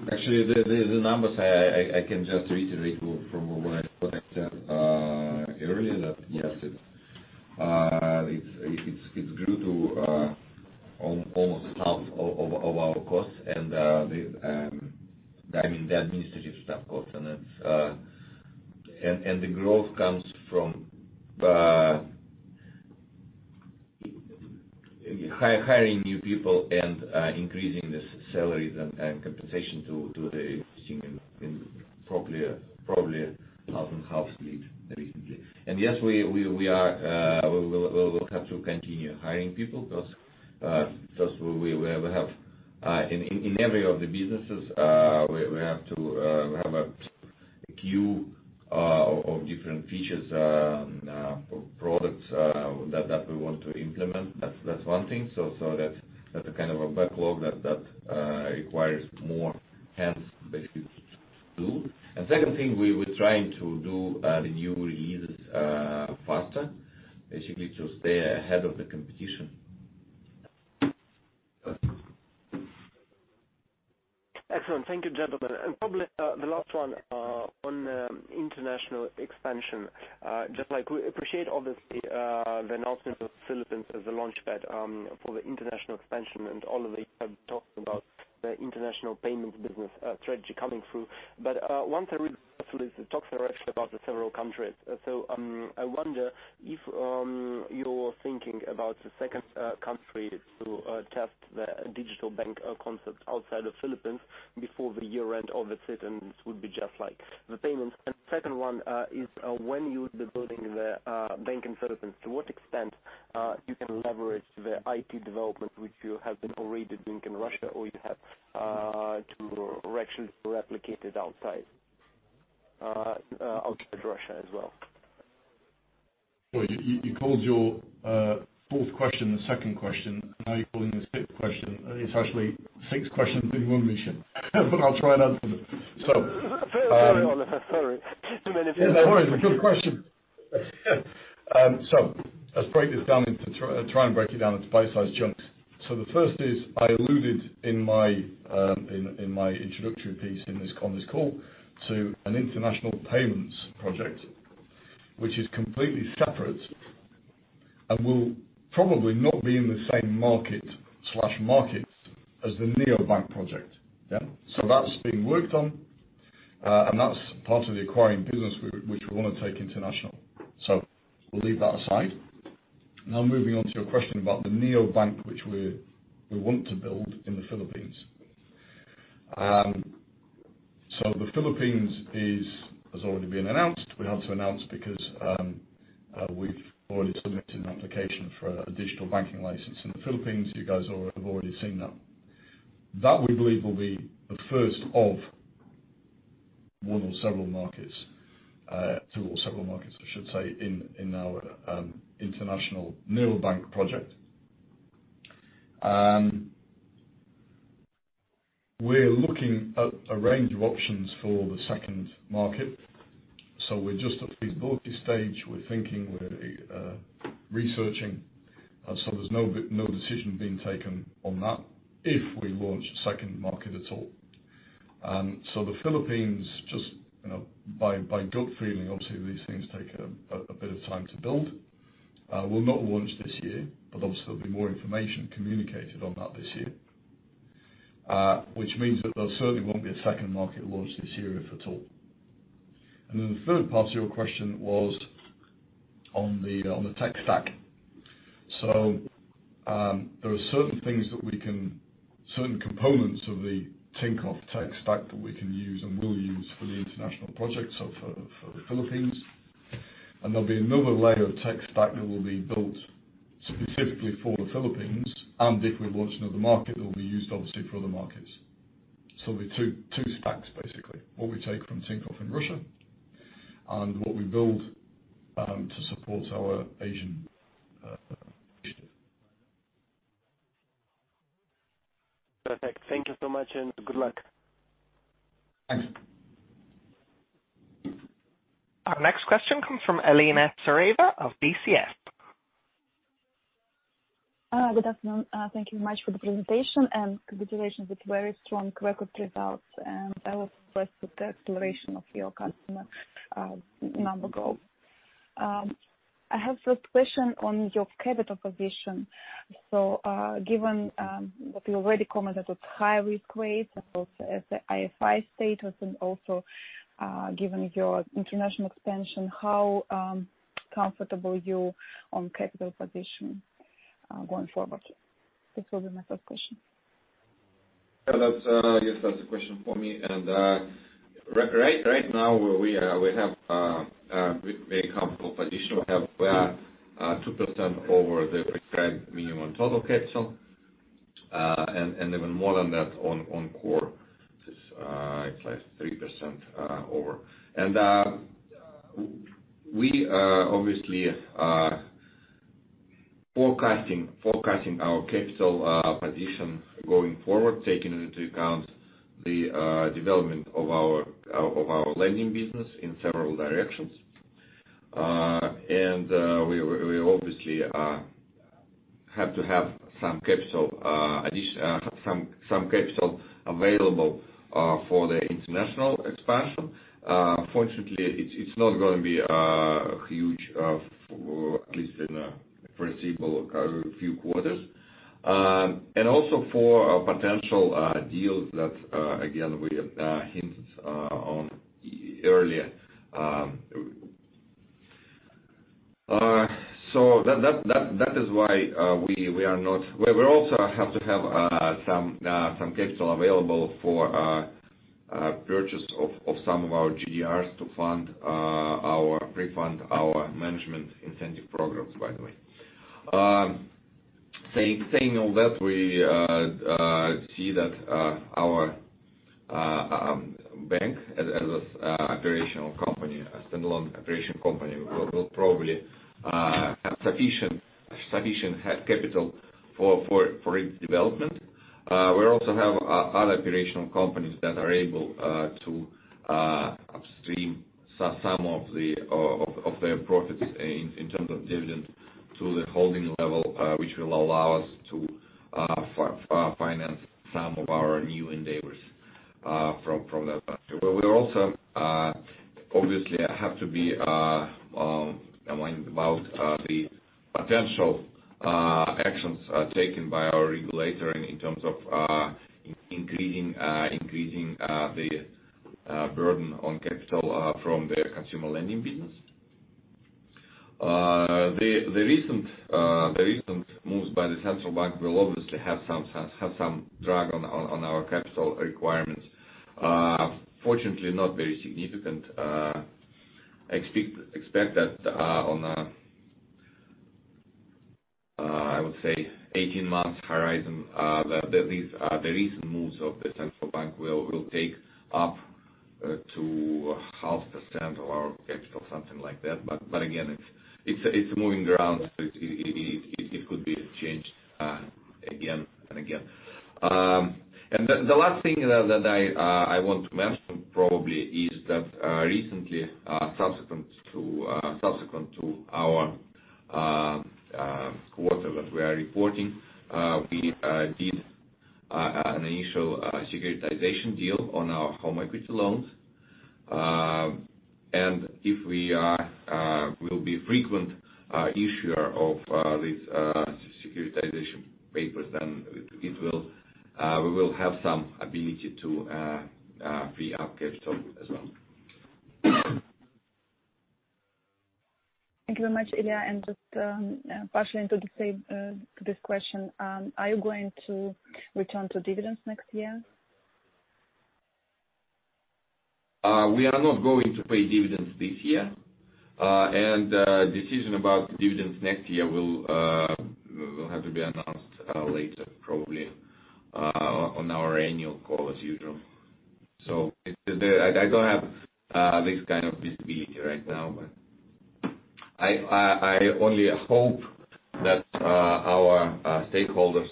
actually, the numbers, I can just reiterate from what I said earlier, that yes, it grew to almost half of our costs. I mean, the administrative staff costs. The growth comes from hiring new people and increasing the salaries and compensation to the existing probably 1,500 heads recently. Yes, we'll have to continue hiring people because first, we have in every of the businesses, we have a queue of different features and products that we want to implement. That's one thing. That's a kind of a backlog that requires more hands basically to do. Second thing, we're trying to do the new releases faster, basically to stay ahead of the competition. Excellent. Thank you, gentlemen. Probably the last one on international expansion. Just like we appreciate, obviously, the announcement of Philippines as a launchpad for the international expansion and all of the talk about the international payments business strategy coming through. One thing, really, actually, you talked actually about the several countries. I wonder if you're thinking about the second country to test the digital bank concept outside of Philippines before the year-end, or that it would be just like the payments. Second one is, when you would be building the bank in Philippines, to what extent you can leverage the IT development which you have been already doing in Russia, or you have to actually replicate it outside Russia as well? Well, you called your fourth question the second question. Now you're calling this fifth question. It's actually six questions in one mission, but I'll try and answer them. Sorry, honestly, sorry, too many of you. No, don't worry. It's a good question. Let's try and break this down into bite-sized chunks. The first is, I alluded in my introductory piece in this conference call to an international payments project, which is completely separate and will probably not be in the same market/markets as the neobank project. Yeah. That's being worked on, and that's part of the acquiring business which we want to take international. We'll leave that aside. Now, moving on to your question about the neobank, which we want to build in the Philippines. The Philippines has already been announced. We had to announce because we've already submitted an application for a digital banking license in the Philippines. You guys have already seen that. That we believe will be the first of one or several markets, two or several markets, I should say, in our international neobank project. We're looking at a range of options for the second market. We're just at feasibility stage. We're thinking, we're researching. There's no decision being taken on that, if we launch a second market at all. The Philippines, just by gut feeling, obviously these things take a bit of time to build. We'll not launch this year, obviously there'll be more information communicated on that this year, which means that there certainly won't be a second market launch this year, if at all. The third part of your question was on the tech stack. There are certain components of the Tinkoff tech stack that we can use and will use for the international project, so for the Philippines. There'll be another layer of tech stack that will be built specifically for the Philippines, and if we launch another market, it will be used obviously for other markets. There'll be two stacks, basically, what we take from Tinkoff in Russia and what we build to support our Asian initiative. Perfect. Thank you so much, and good luck. Thank you. Our next question comes from Elena Tsareva of BCS. Good afternoon. Thank you much for the presentation, and congratulations. It's very strong record results, and I was impressed with the acceleration of your customer number growth. I have first question on your capital position. Given what you already commented with high risk rates and also as the SIFI status, and also given your international expansion, how comfortable are you on capital position going forward? This will be my first question. Yeah, that's a question for me. Right now, we have a very comfortable position. We have 2% over the prescribed minimum total capital, and even more than that on core. It's like 3% over. We are obviously forecasting our capital position going forward, taking into account the development of our lending business in several directions. We obviously have to have some capital available for the international expansion. Fortunately, it's not going to be huge, at least in the foreseeable few quarters. Also for potential deals that, again, we have hinted on earlier. That is why we also have to have some capital available for purchase of some of our GDRs to pre-fund our management incentive programs, by the way. Saying all that, we see that our bank, as a standalone operational company, will probably have sufficient capital for its development. We also have other operational companies that are able to upstream some of their profits in terms of dividends to the holding level, which will allow us to finance some of our new endeavors from that. We also obviously have to be aligned about the potential actions taken by our regulator in terms of increasing the burden on capital from the consumer lending business. The recent moves by the Bank of Russia will obviously have some drag on our capital requirements. Fortunately, not very significant. I expect that on a, I would say, 18 months horizon, the recent moves of the Bank of Russia will take up to half a percent of our capital, something like that. Again, it's moving around. It could be changed again and again. The last thing that I want to mention probably is that recently, subsequent to our quarter that we are reporting, we did an initial securitization deal on our home equity loans. If we will be a frequent issuer of these securitization papers, then we will have some ability to free up capital as well. Thank you very much, Ilya. Just partially to this question, are you going to return to dividends next year? We are not going to pay dividends this year. Decision about dividends next year will have to be announced later, probably on our annual call as usual. I don't have this kind of visibility right now, but I only hope that our stakeholders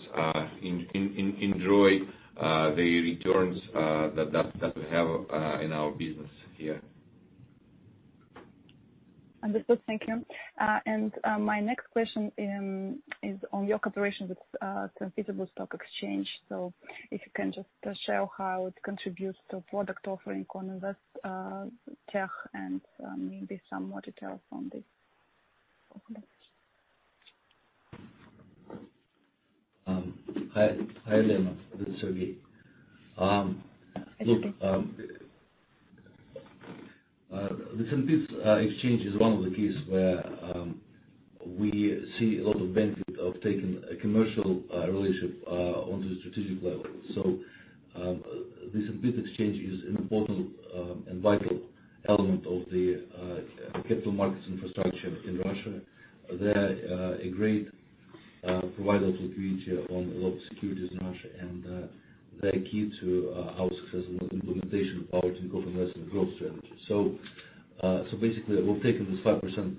enjoy the returns that we have in our business here. Understood. Thank you. My next question is on your cooperation with the Moscow Exchange. If you can just share how it contributes to product offering on InvestTech and maybe some more details on this. Over to you. Hi, Elena. This is Sergey. Hi, Sergey. Look, the Moscow Exchange is one of the cases where we see a lot of benefit of taking a commercial relationship onto the strategic level. The Moscow Exchange is an important and vital element of the capital markets infrastructure in Russia. They're a great provider of liquidity on a lot of securities in Russia, and they're key to our successful implementation of our digital investment growth strategy. Basically, we've taken this five percent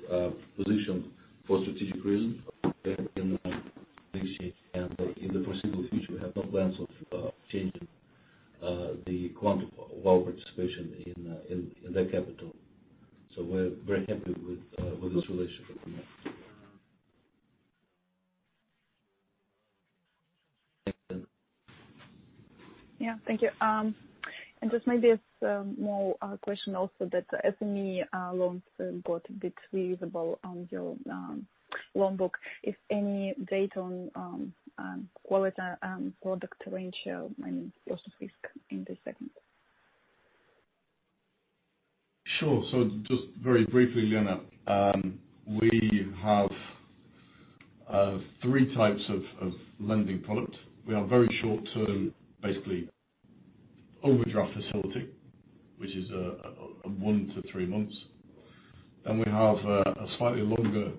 position for strategic reasons and appreciate, and in the foreseeable future, we have no plans of changing the quantum of our participation in their capital. We're very happy with this relationship. Thanks, Elena. Yeah, thank you. Just maybe a small question also that SME loans got a bit visible on your loan book, if any data on quality and product range, I mean, loss of risk in this segment? Sure. Just very briefly, Lena, we have three types of lending product. We have very short-term, basically overdraft facility, which is a one-three months. We have a slightly longer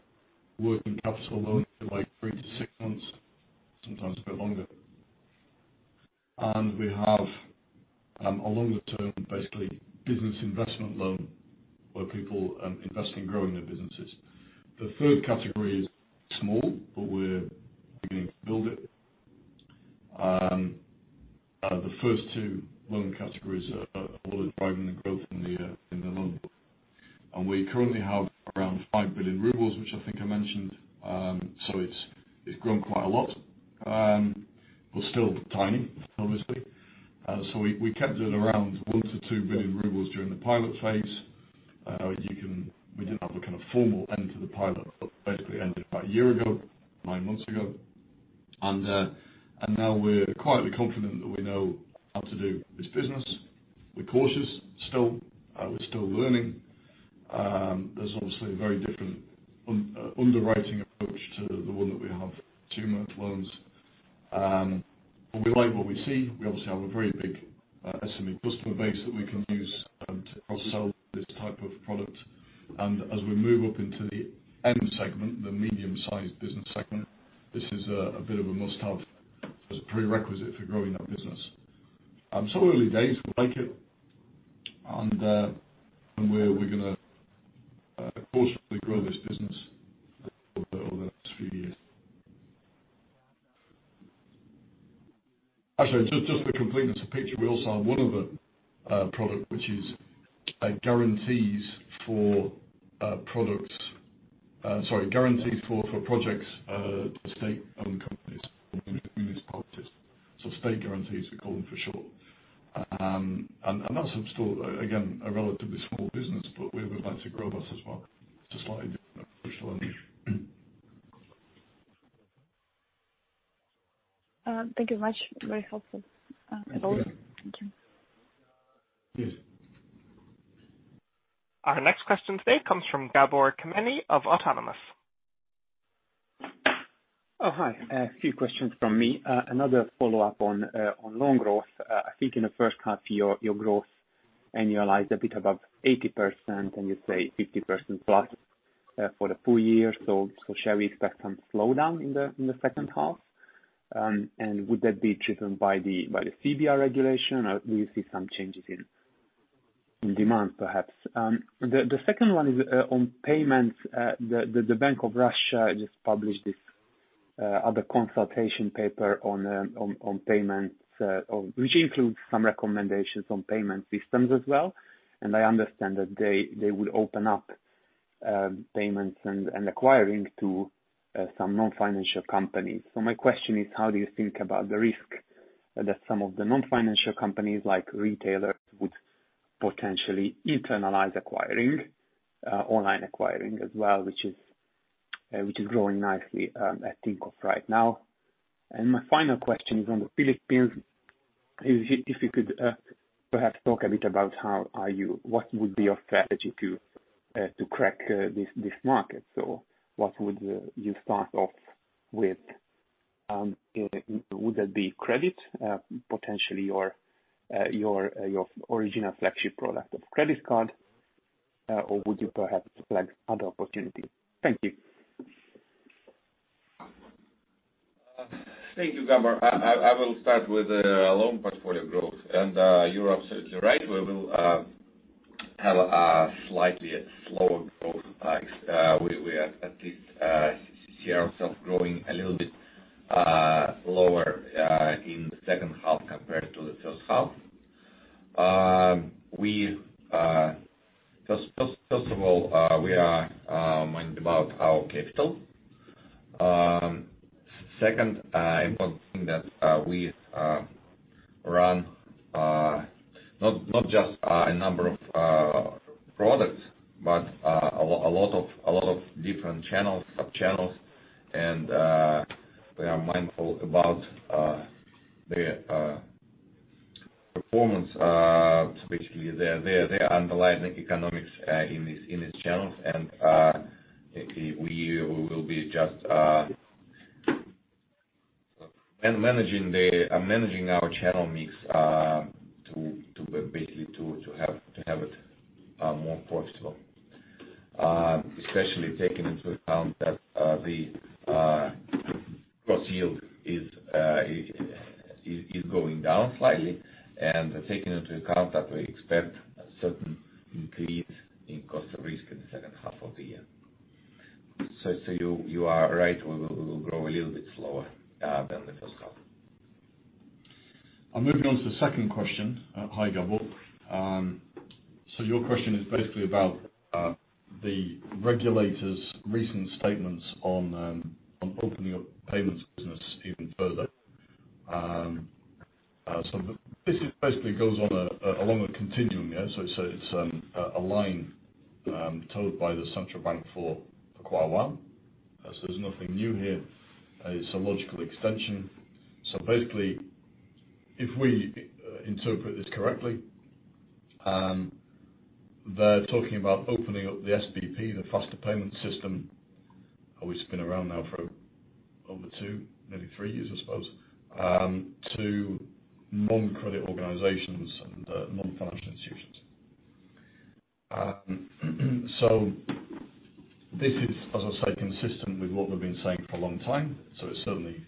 working capital loan for three-six months, sometimes a bit longer. We have a longer term, basically business investment loan where people invest in growing their businesses. The third category is small, but we're beginning to build it. The first two loan categories are what is driving the growth in the loan book. We currently have around 5 billion rubles, which I think I mentioned. It's grown quite a lot. We're still tiny, obviously. We kept it around 1 billion-2 billion rubles during the pilot phase. We didn't have a kind of formal end to the pilot, but basically ended about one year ago, nine months ago. Now we're quietly confident that we know how to do this business. We're cautious still. We're still learning. There's obviously a very different underwriting approach to the one that we have consumer loans. We like what we see. We obviously have a very big SME customer base that we can use to cross-sell this type of product. As we move up into the SME segment, the medium-sized business segment, this is a bit of a must-have as a prerequisite for growing our business. Early days, we like it, and we're going to cautiously grow this business over the next few years. Actually, just for completeness, Peter, we also have one other product, which is guarantees for projects for state-owned companies in the municipalities. State guarantees, we call them for short. That's still, again, a relatively small business, but we would like to grow that as well. It's a slightly different approach to lending. Thank you very much. Very helpful. You're welcome. Thank you. Cheers. Our next question today comes from Gabor Kemeny of Autonomous. Oh, hi. A few questions from me. Another follow-up on loan growth. I think in the first half, your growth annualized a bit above 80%, and you say 50% plus for the full year. Shall we expect some slowdown in the second half? Would that be driven by the CBR regulation, or do you see some changes in demand perhaps? The second one is on payments. The Bank of Russia just published this other consultation paper on payments, which includes some recommendations on payment systems as well, and I understand that they will open up payments and acquiring to some non-financial companies. My question is, how do you think about the risk that some of the non-financial companies, like retailers, would potentially internalize acquiring, online acquiring as well, which is growing nicely, I think of right now? My final question is on the Philippines. If you could perhaps talk a bit about what would be your strategy to crack this market. What would you start off with? Would that be credit, potentially your original flagship product of credit card? Or would you perhaps flag other opportunities? Thank you. Thank you, Gabor. I will start with the loan portfolio growth. You're absolutely right. We will have a slightly slower growth. We at least see ourselves growing a little bit lower in the second half compared to the first half. First of all, we are mindful about our capital. Second, important thing that we run not just a number of products, but a lot of different channels, sub-channels, and we are mindful about their performance. Basically, their underlying economics in these channels. We will be just managing our channel mix basically to have it more profitable. Especially taking into account that the cross-yield is going down slightly and taking into account that we expect a certain increase in cost of risk in the second half of the year. You are right, we will grow a little bit slower than the first half. Moving on to the second question. Hi, Gabor. Your question is basically about the regulators' recent statements on opening up the payments business even further. This basically goes along a continuum. It's a line towed by the Central Bank for quite a while. There's nothing new here. It's a logical extension. If we interpret this correctly, they're talking about opening up the SBP, the Faster Payment System, which has been around now for over two, maybe three years, I suppose, to non-credit organizations and non-financial institutions. This is, as I say, consistent with what we've been saying for a long time. It's certainly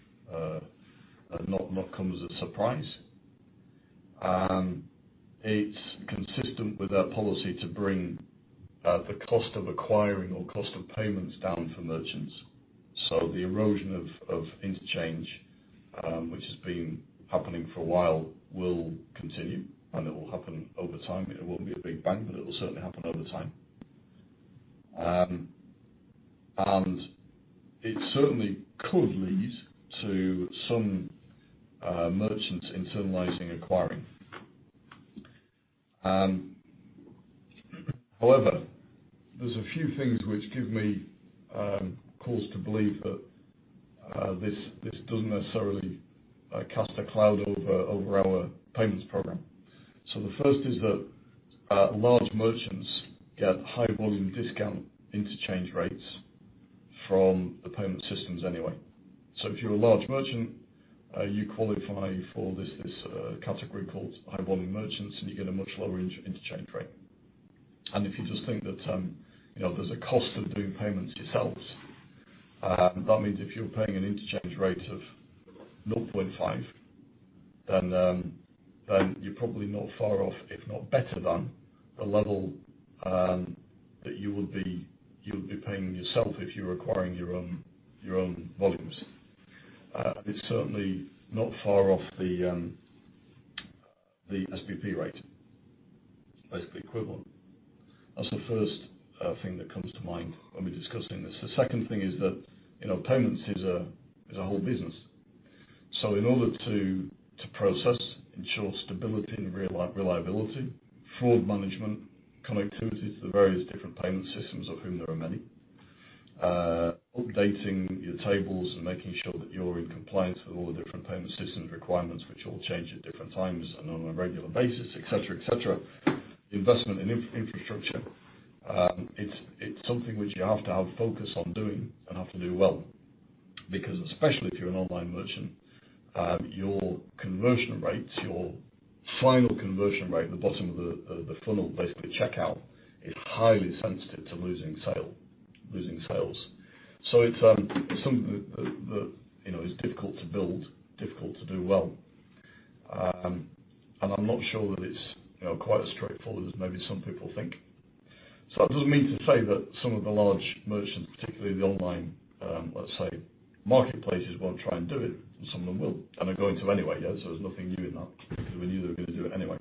not come as a surprise. It's consistent with our policy to bring the cost of acquiring or cost of payments down for merchants. The erosion of interchange, which has been happening for a while, will continue, and it will happen over time. It won't be a big bang, but it'll certainly happen over time. It certainly could lead to some merchants internalizing acquiring. However, there's a few things which give me cause to believe that this doesn't necessarily cast a cloud over our payments program. The first is that large merchants get high volume discount interchange rates from the payment systems anyway. If you're a large merchant, you qualify for this category called high volume merchants, and you get a much lower interchange rate. If you just think that there's a cost of doing payments yourselves, that means if you're paying an interchange rate of 0.5, then you're probably not far off, if not better than, the level that you would be paying yourself if you were acquiring your own volumes. It's certainly not far off the SBP rate. Basically equivalent. That's the first thing that comes to mind when we're discussing this. The second thing is that payments is a whole business. In order to process, ensure stability and reliability, fraud management, connectivity to the various different payment systems, of whom there are many, updating your tables and making sure that you're in compliance with all the different payment systems requirements, which all change at different times and on a regular basis, et cetera. Investment in infrastructure, it's something which you have to have focus on doing and have to do well, because especially if you're an online merchant, your conversion rates, your final conversion rate, the bottom of the funnel, basically checkout, is highly sensitive to losing sales. It's something that is difficult to build, difficult to do well. I'm not sure that it's quite as straightforward as maybe some people think. That doesn't mean to say that some of the large merchants, particularly the online, let's say, marketplaces, won't try and do it, and some of them will and are going to anyway. There's nothing new in that because we knew they were going to do it anyway.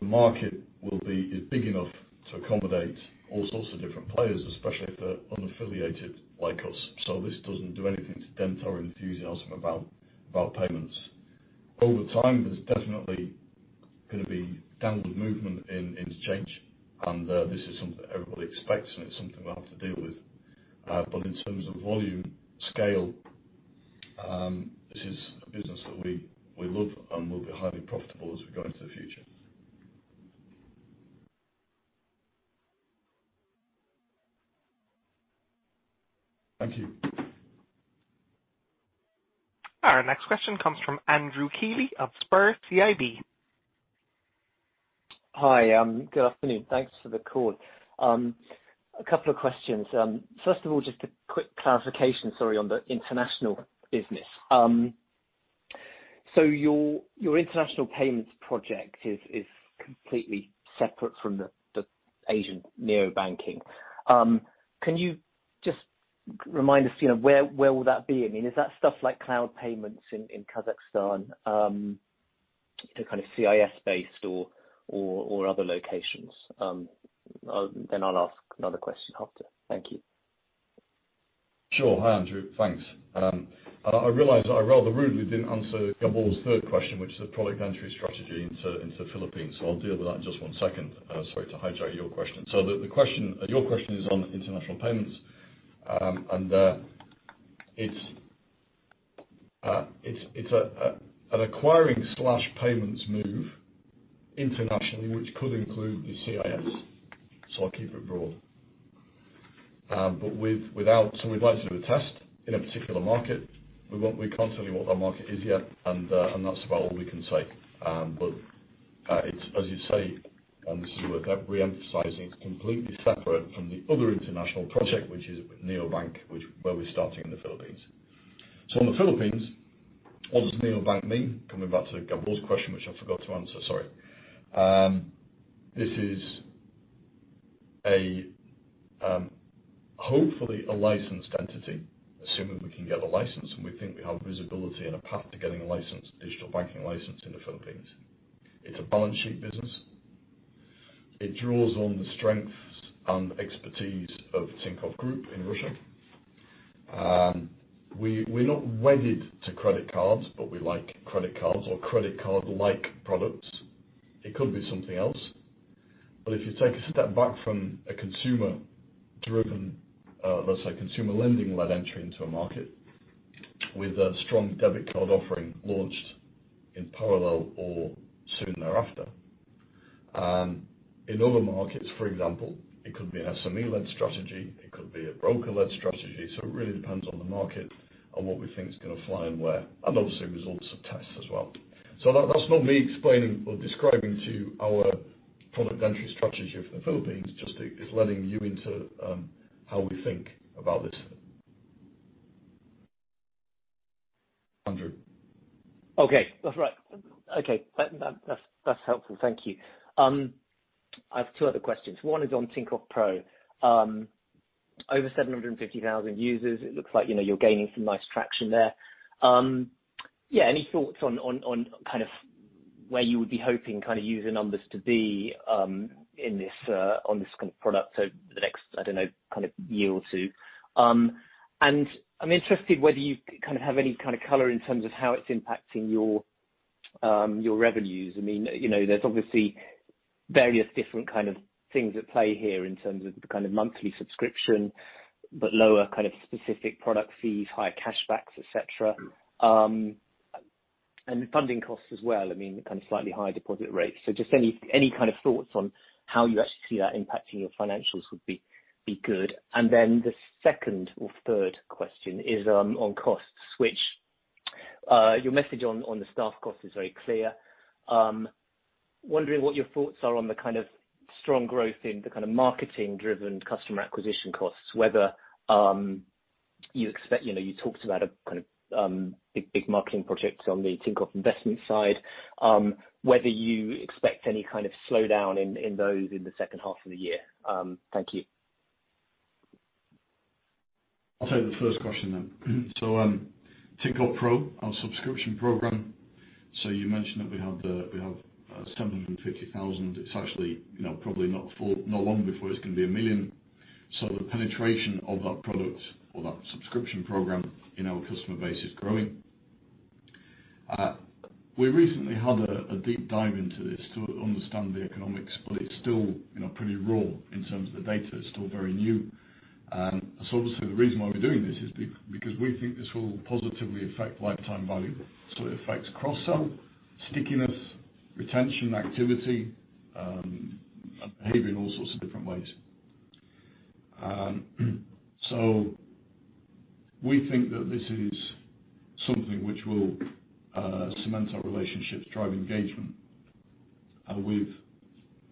The market is big enough to accommodate all sorts of different players, especially if they're unaffiliated like us. This doesn't do anything to dent our enthusiasm about payments. Over time, there's definitely going to be downward movement in interchange, and this is something everybody expects, and it's something we'll have to deal with. In terms of volume scale, this is a business that we love and will be highly profitable as we go into the future. Thank you. Our next question comes from Andrew Keeley of Sber CIB. Hi. Good afternoon. Thanks for the call. A couple of questions. First of all, just a quick clarification, sorry, on the international business. Your international payments project is completely separate from the Asian neo banking. Can you just remind us, where will that be? I mean, is that stuff like CloudPayments in Kazakhstan, the kind of CIS-based or other locations? I'll ask another question after. Thank you. Sure. Hi, Andrew. Thanks. I realize that I rather rudely didn't answer Gabor's third question, which is a product entry strategy into the Philippines. I'll deal with that in just 1 second. Sorry to hijack your question. Your question is on international payments, and it's an acquiring/payments move internationally, which could include the CIS. I'll keep it broad. We'd like to do a test in a particular market. We can't tell you what that market is yet, and that's about all we can say. It's, as you say, and this is worth re-emphasizing, completely separate from the other international project, which is neobank, where we're starting in the Philippines. In the Philippines, what does neobank mean? Coming back to Gabor's question, which I forgot to answer. Sorry. This is hopefully a licensed entity, assuming we can get a license, and we think we have visibility and a path to getting a license, digital banking license in the Philippines. It's a balance sheet business. It draws on the strengths and expertise of Tinkoff Group in Russia. We're not wedded to credit cards, but we like credit cards or credit card-like products. It could be something else. If you take a step back from a consumer-driven, let's say consumer lending-led entry into a market with a strong debit card offering launched in parallel or soon thereafter. In other markets, for example, it could be an SME-led strategy, it could be a broker-led strategy. It really depends on the market and what we think is going to fly and where, and obviously results of tests as well. That's not me explaining or describing to you our product entry strategy for the Philippines. Just is letting you into how we think about it. Andrew. Okay. That's right. Okay. That's helpful. Thank you. I have two other questions. One is on Tinkoff Pro. Over 750,000 users, it looks like you're gaining some nice traction there. Yeah, any thoughts on where you would be hoping user numbers to be on this kind of product, the next, I don't know, year or two? I'm interested whether you have any kind of color in terms of how it's impacting your revenues. There's obviously various different kind of things at play here in terms of the monthly subscription, but lower kind of specific product fees, higher cash backs, et cetera. Funding costs as well, kind of slightly higher deposit rates. Just any kind of thoughts on how you actually see that impacting your financials would be good. The second or third question is on costs, which your message on the staff cost is very clear. Wondering what your thoughts are on the kind of strong growth in the kind of marketing driven customer acquisition costs, whether you talked about a kind of big marketing project on the Tinkoff Investments side, whether you expect any kind of slowdown in those in the second half of the year? Thank you. I'll take the first question then. Tinkoff Pro, our subscription program. You mentioned that we have 750,000. It's actually probably not long before it's going to be 1 million. The penetration of that product or that subscription program in our customer base is growing. We recently had a deep dive into this to understand the economics, but it's still pretty raw in terms of the data. It's still very new. Obviously the reason why we're doing this is because we think this will positively affect lifetime value. It affects cross-sell, stickiness, retention, activity, and behavior in all sorts of different ways. We think that this is something which will cement our relationships, drive engagement with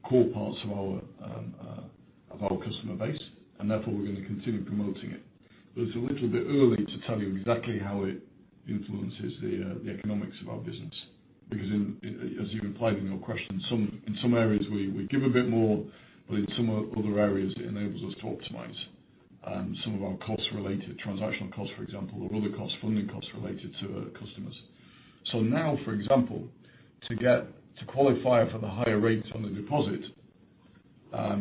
core parts of our customer base, and therefore we're going to continue promoting it. It's a little bit early to tell you exactly how it influences the economics of our business, because as you implied in your question, in some areas, we give a bit more, but in some other areas, it enables us to optimize some of our costs related, transactional costs, for example, or other costs, funding costs related to customers. Now, for example, to qualify for the higher rates on the deposit,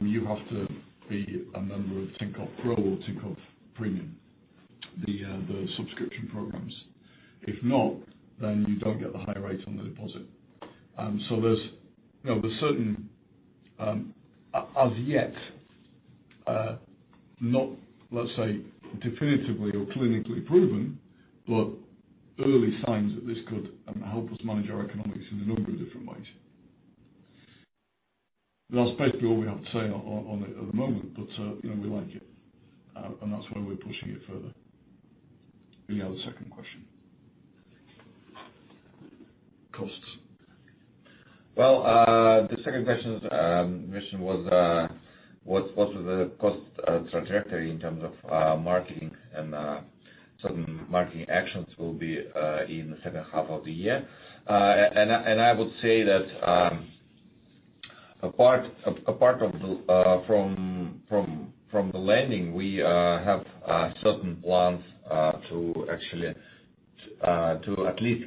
you have to be a member of Tinkoff Pro or Tinkoff Premium, the subscription programs. If not, you don't get the higher rates on the deposit. There's certain, as yet, not let's say definitively or clinically proven, but early signs that this could help us manage our economics in a number of different ways. That's basically all we have to say on it at the moment, but we like it, and that's why we're pushing it further. Any other second question? Costs. Well, the second question was what was the cost trajectory in terms of marketing and certain marketing actions will be in the second half of the year. I would say that apart from the lending, we have certain plans to at least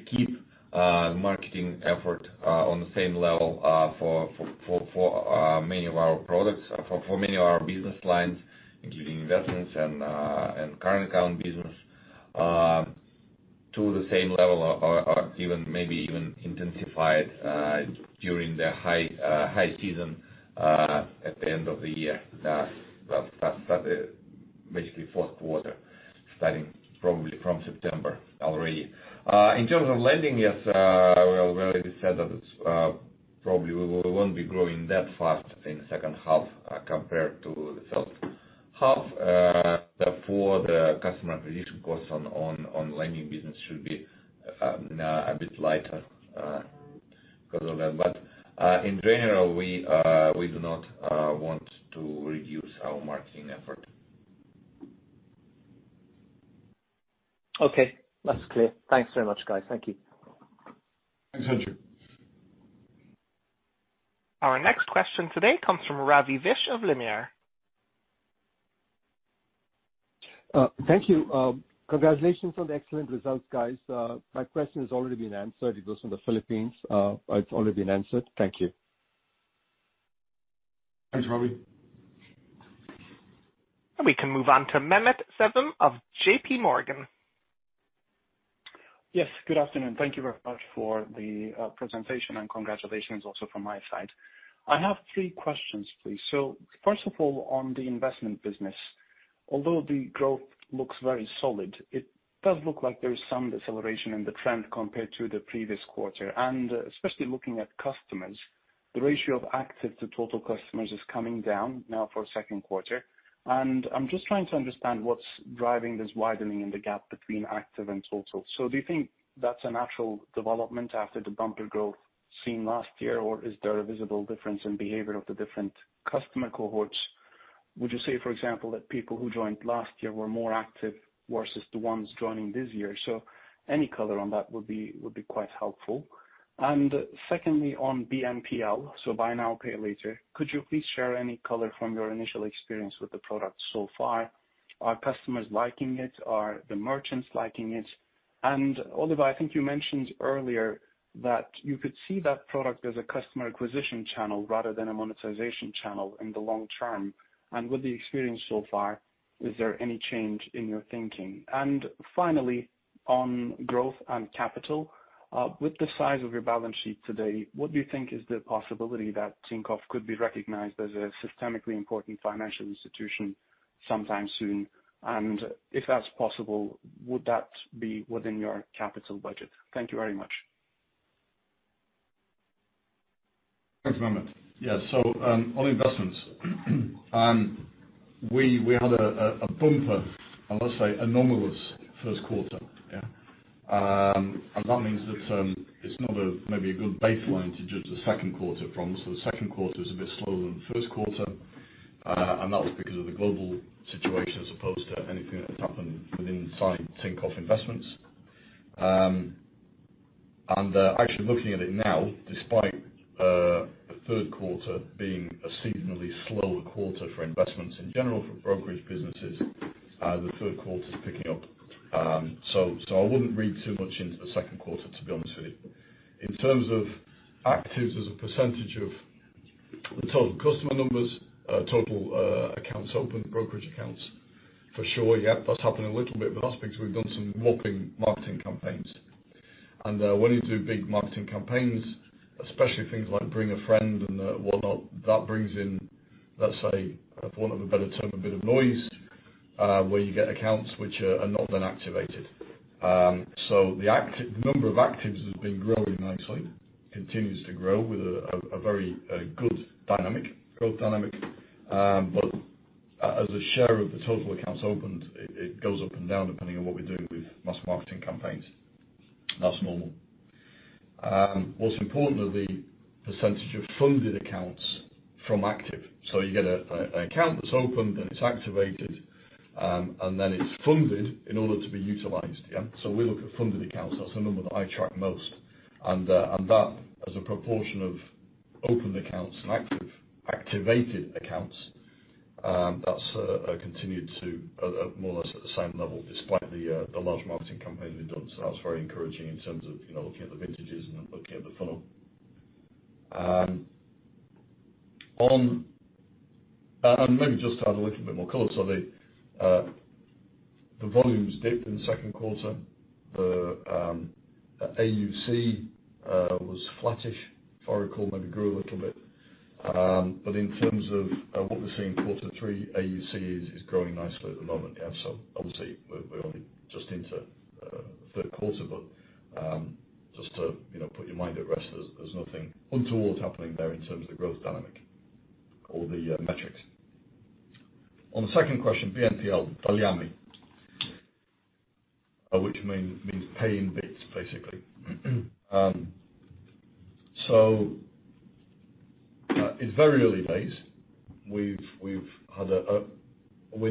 keep marketing effort on the same level for many of our products, for many of our business lines, including investments and current account business, to the same level or even maybe even intensified during the high season at the end of the year, basically fourth quarter, starting probably from September already. In terms of lending, yes, we already said that probably we won't be growing that fast in the second half compared to the first half. Therefore, the customer acquisition costs on lending business should be a bit lighter because of that. In general, we do not want to reduce our marketing effort. Okay. That's clear. Thanks very much, guys. Thank you. Thanks, Andrew. Our next question today comes from Ravi Vish of Limiar. Thank you. Congratulations on the excellent results, guys. My question has already been answered. It was on the Philippines. It is already been answered. Thank you. Thanks, Ravi. We can move on to Mehmet Sevim of JPMorgan. Yes, good afternoon. Thank you very much for the presentation, and congratulations also from my side. I have 3 questions, please. First of all, on the investment business. Although the growth looks very solid, it does look like there is some deceleration in the trend compared to the previous quarter. Especially looking at customers, the ratio of active to total customers is coming down now for a Q2. I'm just trying to understand what's driving this widening in the gap between active and total. Do you think that's a natural development after the bumper growth seen last year, or is there a visible difference in behavior of the different customer cohorts? Would you say, for example, that people who joined last year were more active versus the ones joining this year? Any color on that would be quite helpful. Secondly, on BNPL, so buy now, pay later, could you please share any color from your initial experience with the product so far? Are customers liking it? Are the merchants liking it? Oliver, I think you mentioned earlier that you could see that product as a customer acquisition channel rather than a monetization channel in the long term. With the experience so far, is there any change in your thinking? Finally, on growth and capital, with the size of your balance sheet today, what do you think is the possibility that Tinkoff could be recognized as a systemically important financial institution sometime soon? If that's possible, would that be within your capital budget? Thank you very much. Thanks, Mehmet. On investments. We had a bumper, let's say anomalous first quarter. That means that it's not maybe a good baseline to judge the Q2 from. That was because of the global situation as opposed to anything that has happened inside Tinkoff Investments. Actually looking at it now, despite the Q3 being a seasonally slower quarter for investments in general for brokerage businesses, the third quarter is picking up. I wouldn't read too much into the Q2, to be honest with you. In terms of actives as a % of the total customer numbers, total accounts opened, brokerage accounts, for sure, that's happened a little bit, but that's because we've done some whopping marketing campaigns. When you do big marketing campaigns, especially things like bring a friend and whatnot, that brings in, let's say, for want of a better term, a bit of noise, where you get accounts which are not then activated. The number of actives has been growing nicely, continues to grow with a very good growth dynamic. As a share of the total accounts opened, it goes up and down depending on what we're doing with mass marketing campaigns. That's normal. What's important are the % of funded accounts from active. You get an account that's opened, and it's activated, and then it's funded in order to be utilized. Yeah. We look at funded accounts. That's the number that I track most. That as a proportion of opened accounts and active, activated accounts, that's continued to more or less at the same level despite the large marketing campaign we've done. That was very encouraging in terms of looking at the vintages and looking at the funnel. Maybe just to add a little bit more color. The volumes dipped in the Q2. The AUC was flattish, if I recall, maybe grew a little bit. In terms of what we're seeing in quarter three, AUC is growing nicely at the moment. Yeah. Obviously, we're only just into the Q3, but just to put your mind at rest, there's nothing untoward happening there in terms of the growth dynamic or the metrics. On the second question, BNPL, Dolyami, which means pay in bits, basically. It's very early days. We're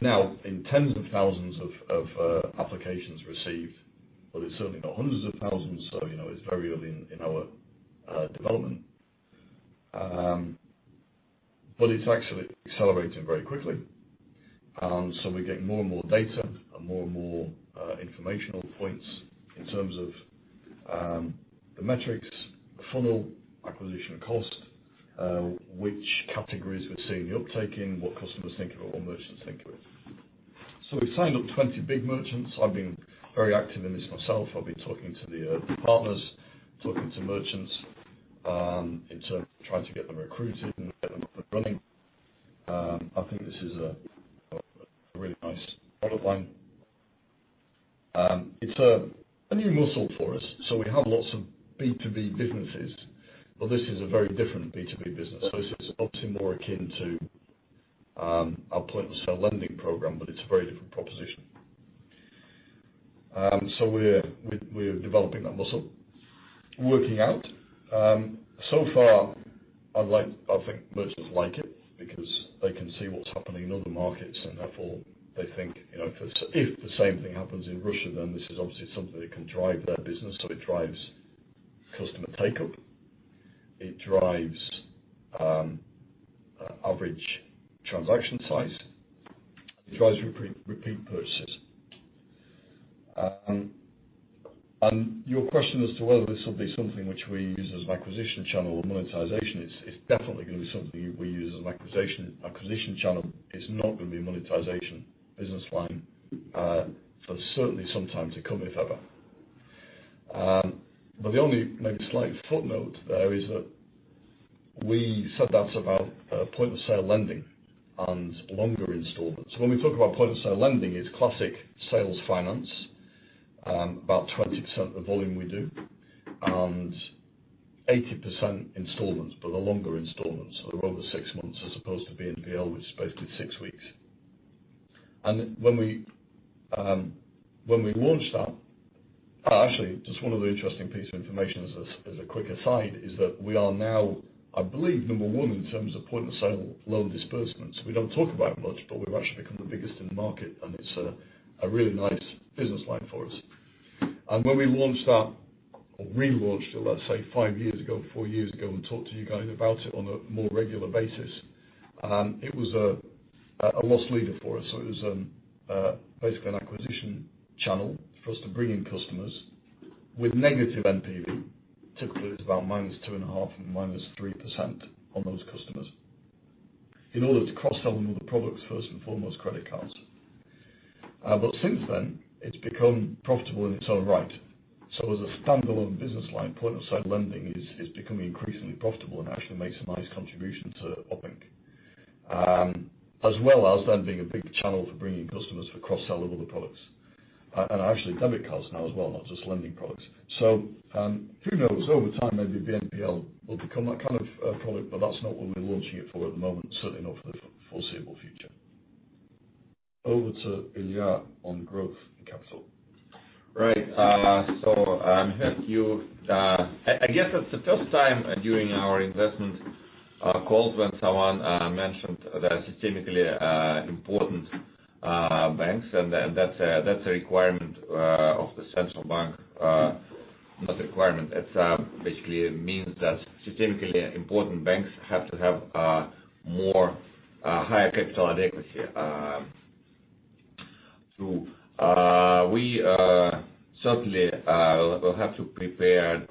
now in tens of thousands of applications received, it's certainly not hundreds of thousands. It's very early in our development. It's actually accelerating very quickly. We're getting more and more data and more and more informational points in terms of the metrics, the funnel acquisition cost, which categories we're seeing the uptake in, what customers think of it, what merchants think of it. We've signed up 20 big merchants. I've been very active in this myself. I've been talking to the partners, talking to merchants, in terms of trying to get them recruited and get them up and running. I think this is a really nice product line. It's a new muscle for us. We have lots of B2B businesses, but this is a very different B2B business. This is obviously more akin to our point-of-sale lending program, but it's a very different proposition. We're developing that muscle. Working out. Far, I think merchants like it because they can see what's happening in other markets, and therefore, they think if the same thing happens in Russia, then this is obviously something that can drive their business. It drives customer take-up. It drives average transaction size. It drives repeat purchases. Your question as to whether this will be something which we use as an acquisition channel or monetization, it's definitely going to be something we use as an acquisition channel. It's not going to be a monetization business line for certainly some time to come, if ever. The only maybe slight footnote there is that we said that about point-of-sale lending and longer installments. When we talk about point-of-sale lending, it's classic sales finance, about 20% of the volume we do, and 80% installments, but they're longer installments. They're over six months as opposed to BNPL, which is basically six weeks. When we launched that, just one other interesting piece of information as a quick aside, is that we are now, I believe, number one in terms of point-of-sale loan disbursements. We don't talk about it much, but we've actually become the biggest in the market, and it's a really nice business line for us. When we launched that, or relaunched it, let's say, five years ago, four years ago, and talked to you guys about it on a more regular basis, it was a loss leader for us. It was basically an acquisition channel for us to bring in customers with negative NPV, typically it's about minus two and a half- minus three percent on those customers, in order to cross-sell them other products, first and foremost, credit cards. Since then, it's become profitable in its own right. As a standalone business line, point-of-sale lending is becoming increasingly profitable and actually makes a nice contribution to operating income. As well as being a big channel for bringing customers for cross-sell of other products. Actually debit cards now as well, not just lending products. Who knows? Over time, maybe BNPL will become that kind of a product, but that's not what we're launching it for at the moment, certainly not for the foreseeable future. Over to Ilya on growth and capital. Right. I guess that's the first time during our investment calls when someone mentioned the systemically important banks, and that's a requirement of the central bank. Not requirement, it basically means that systemically important banks have to have more higher capital adequacy. We certainly will have to prepare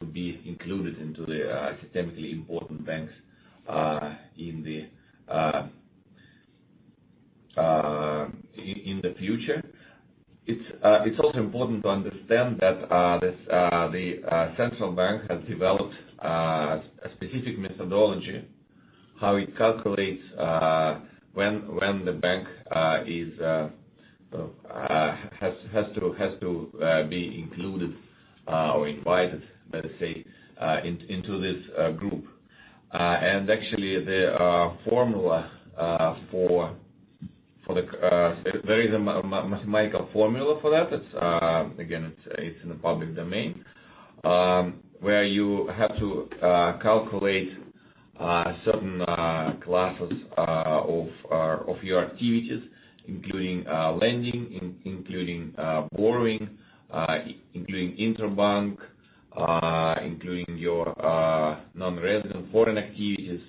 to be included into the systemically important banks in the future. It's also important to understand that the central bank has developed a specific methodology, how it calculates when the bank has to be included or invited, let us say, into this group. Actually, there is a mathematical formula for that, again, it's in the public domain, where you have to calculate certain classes of your activities, including lending, including borrowing, including interbank, including your non-resident foreign activities.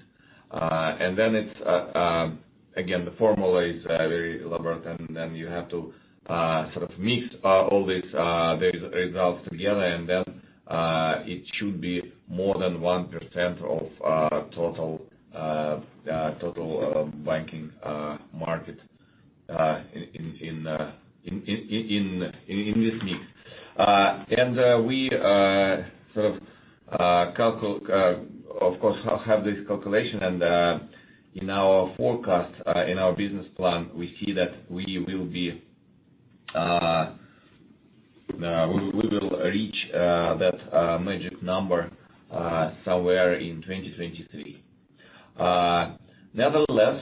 Again, the formula is very elaborate, and then you have to sort of mix all these results together, and then it should be more than one percent of total banking market in this mix. We sort of course, have this calculation, and in our forecast, in our business plan, we see that we will reach that magic number somewhere in 2023. Unless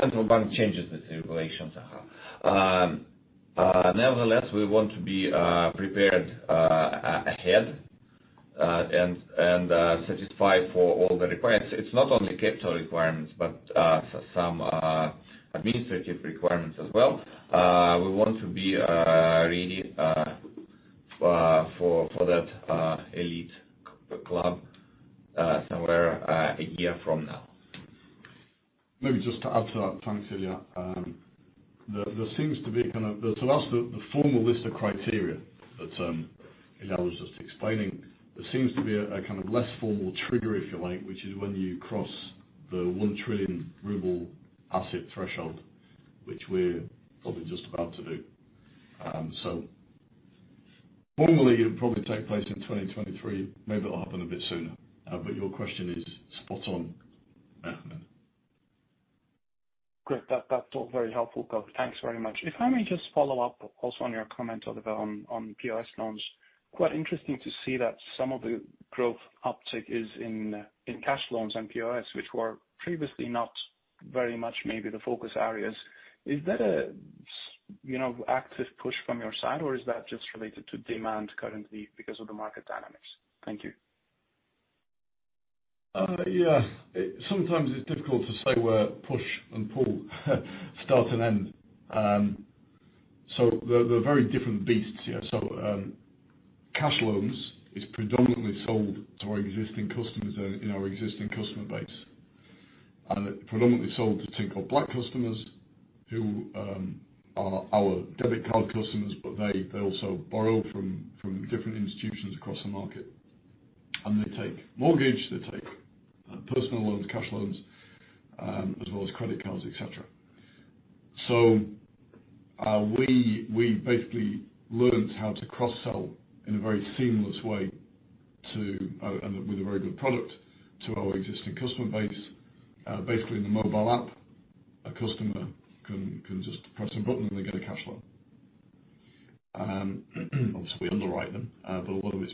Central Bank changes this regulation somehow. We want to be prepared ahead and satisfy for all the requirements. It's not only capital requirements, but some administrative requirements as well. We want to be ready for that elite club somewhere one year from now. Maybe just to add to that. Thanks, Ilya. To us, the formal list of criteria that Ilya was just explaining, there seems to be a kind of less formal trigger, if you like, which is when you cross the 1 trillion ruble asset threshold, which we're probably just about to do. Formally, it'll probably take place in 2023. Maybe it'll happen a bit sooner. But your question is spot on, Mehmet Sevim. Great. That's all very helpful. Thanks very much. If I may just follow up also on your comment, Oliver, on POS loans. Quite interesting to see that some of the growth uptick is in cash loans and POS, which were previously not very much maybe the focus areas. Is that an active push from your side, or is that just related to demand currently because of the market dynamics? Thank you. Sometimes it's difficult to say where push and pull start and end. They're very different beasts. Cash loans is predominantly sold to our existing customers in our existing customer base. It predominantly sold to Tinkoff Black customers who are our debit card customers, but they also borrow from different institutions across the market. They take mortgage, they take personal loans, cash loans, as well as credit cards, et cetera. We basically learned how to cross-sell in a very seamless way with a very good product to our existing customer base. Basically, in the mobile app, a customer can just press a button, and they get a cash loan. Obviously, we underwrite them, but a lot of it's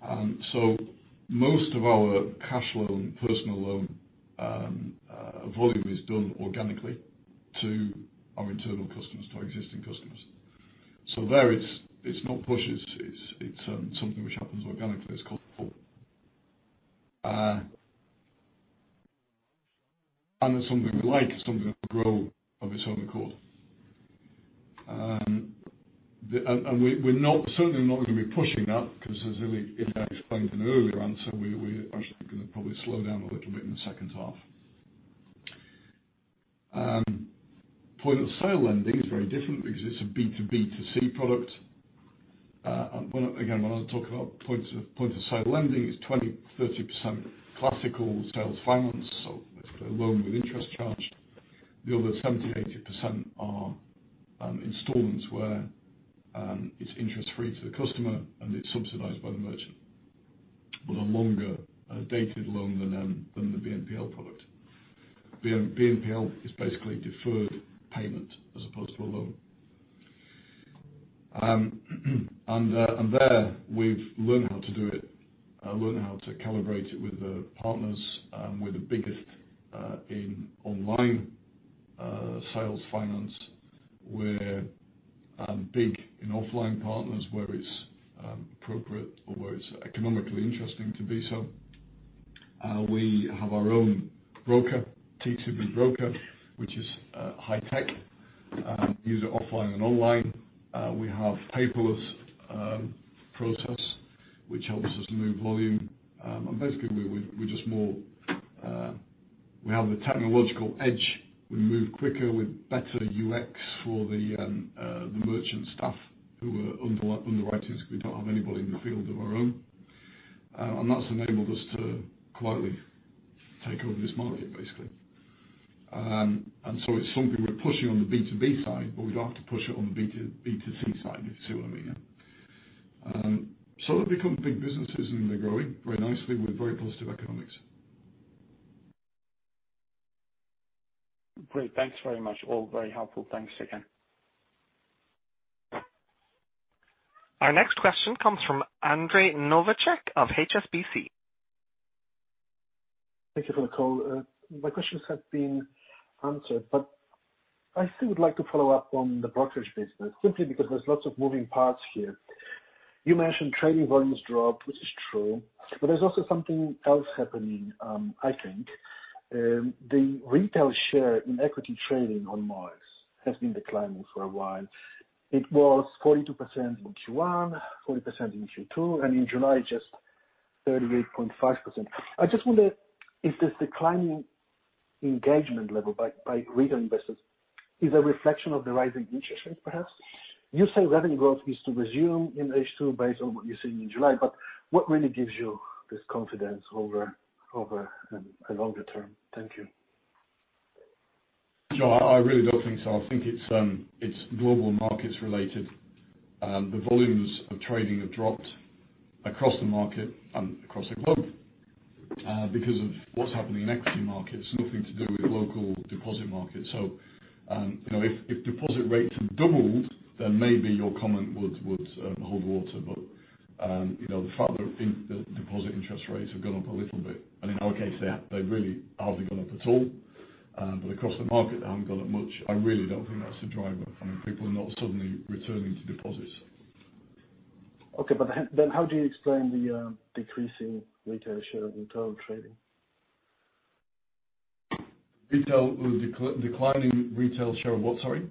pre-approved. Most of our cash loan, personal loan volume is done organically to our internal customers, to our existing customers. There it's not pushed. It's something which happens organically. It's something we like. It's something that will grow of its own accord. We're certainly not going to be pushing that because as Ilya explained in an earlier answer, we're actually going to probably slow down a little bit in the second half. Point of sale lending is very different because it's a B2B2C product. Again, when I talk about point of sale lending, it's 20%-30% classical sales finance, so let's put a loan with interest charged. The other 70%-80% are installments where it's interest free to the customer, and it's subsidized by the merchant with a longer dated loan than the BNPL product. BNPL is basically deferred payment as opposed to a loan. There, we've learned how to do it, learned how to calibrate it with the partners. We're the biggest in online sales finance. We're big in offline partners where it's appropriate or where it's economically interesting to be so. We have our own broker, Tinkoff Investments, which is high-tech, use it offline and online. We have paperless process which helps us move volume. Basically, we have the technological edge. We move quicker with better UX for the merchant staff who we're underwriting because we don't have anybody in the field of our own. That's enabled us to quietly take over this market basically. It's something we're pushing on the B2B side, but we'd like to push it on the B2C side, if you see what I mean. They've become big businesses, and they're growing very nicely with very positive economics. Great. Thanks very much. All very helpful. Thanks again. Our next question comes from Ondrej Novacek of HSBC. Thank you for the call. My questions have been answered, but I still would like to follow up on the brokerage business simply because there's lots of moving parts here. You mentioned trading volumes dropped, which is true. There's also something else happening, I think. The retail share in equity trading on markets has been declining for a while. It was 42% in Q1, 40% in Q2, and in July, just 38.5%. I just wonder, is this declining engagement level by retail investors is a reflection of the rising interest rates perhaps? You say revenue growth is to resume in H2 based on what you're seeing in July, but what really gives you this confidence over a longer term? Thank you. No, I really don't think so. I think it's global markets related. The volumes of trading have dropped across the market and across the globe because of what's happening in equity markets. Nothing to do with local deposit markets. If deposit rates have doubled, then maybe your comment would hold water. The fact that deposit interest rates have gone up a little bit, and in our case, they really hardly gone up at all. Across the market, they haven't gone up much. I really don't think that's a driver. People are not suddenly returning to deposits. Okay. How do you explain the decreasing retail share of total trading? Retail or declining retail share of what, sorry?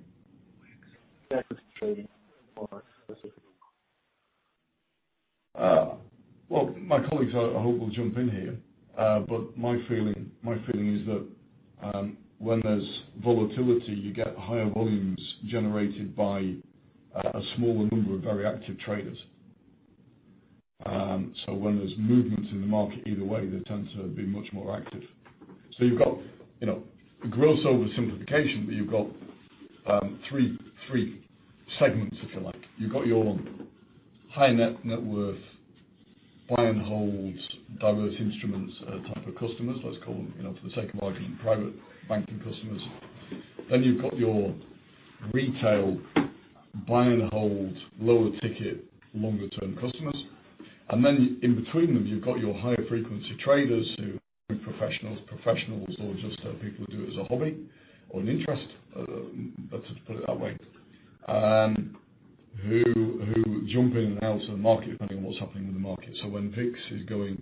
Equity trading for specifically. My colleagues I hope will jump in here. My feeling is that when there's volatility, you get higher volumes generated by a smaller number of very active traders. When there's movements in the market, either way, they tend to be much more active. You've got gross over simplification, but you've got three segments, if you like. You've got your high net worth, buy and hold, diverse instruments type of customers. Let's call them for the sake of argument, private banking customers. You've got your retail buy and hold, lower ticket, longer-term customers. In between them, you've got your high-frequency traders who are professionals or just people who do it as a hobby or an interest, let's put it that way who jump in and out of the market depending on what's happening in the market. When VIX is going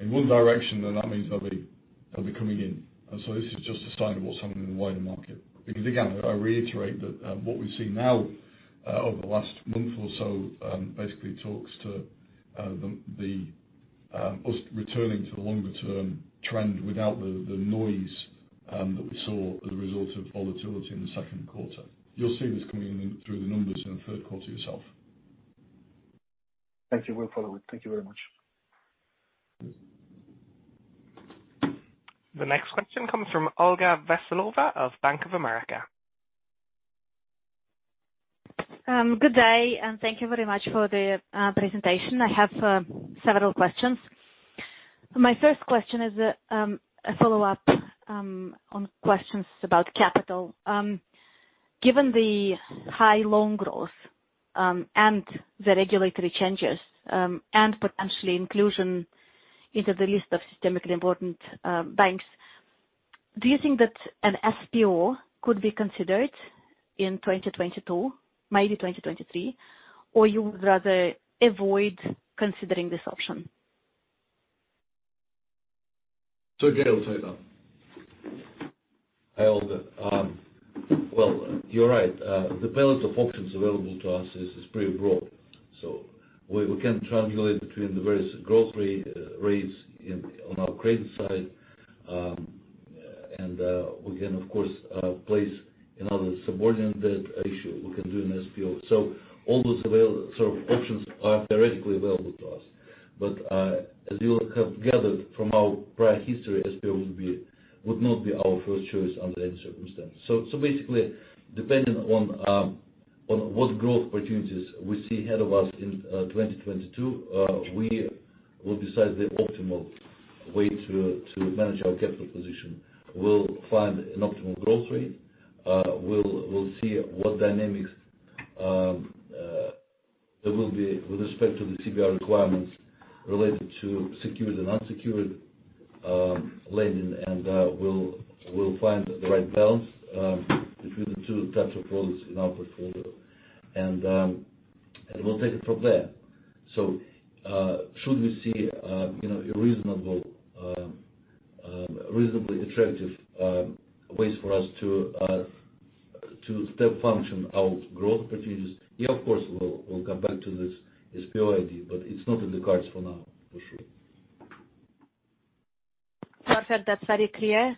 in one direction, that means That'll be coming in. This is just a sign of what's happening in the wider market. Again, I reiterate that what we've seen now over the last month or so basically talks to us returning to the longer-term trend without the noise that we saw as a result of volatility in the second quarter. You'll see this coming in through the numbers in the third quarter yourself. Thank you. Will follow it. Thank you very much. The next question comes from Olga Veselova of Bank of America. Good day. Thank you very much for the presentation. I have several questions. My first question is a follow-up on questions about capital. Given the high loan growth, and the regulatory changes, and potentially inclusion into the list of systemically important banks, do you think that an SPO could be considered in 2022, maybe 2023, or you would rather avoid considering this option? Again, I'll tell you that. Hi, Olga. Well, you're right. The balance of options available to us is pretty broad. We can triangulate between the various growth rates on our credit side, and we can, of course, place another subordinated issue. We can do an SPO. All those sort of options are theoretically available to us. As you have gathered from our prior history, SPO would not be our first choice under any circumstance. Basically, dependent on what growth opportunities we see ahead of us in 2022, we will decide the optimal way to manage our capital position. We'll find an optimal growth rate. We'll see what dynamics there will be with respect to the CBR requirements related to secured and unsecured lending, and we'll find the right balance between the two types of products in our portfolio, and we'll take it from there. Should we see reasonably attractive ways for us to step function our growth strategies? Yeah, of course, we'll come back to this SPO idea, but it's not in the cards for now, for sure. Perfect. That's very clear.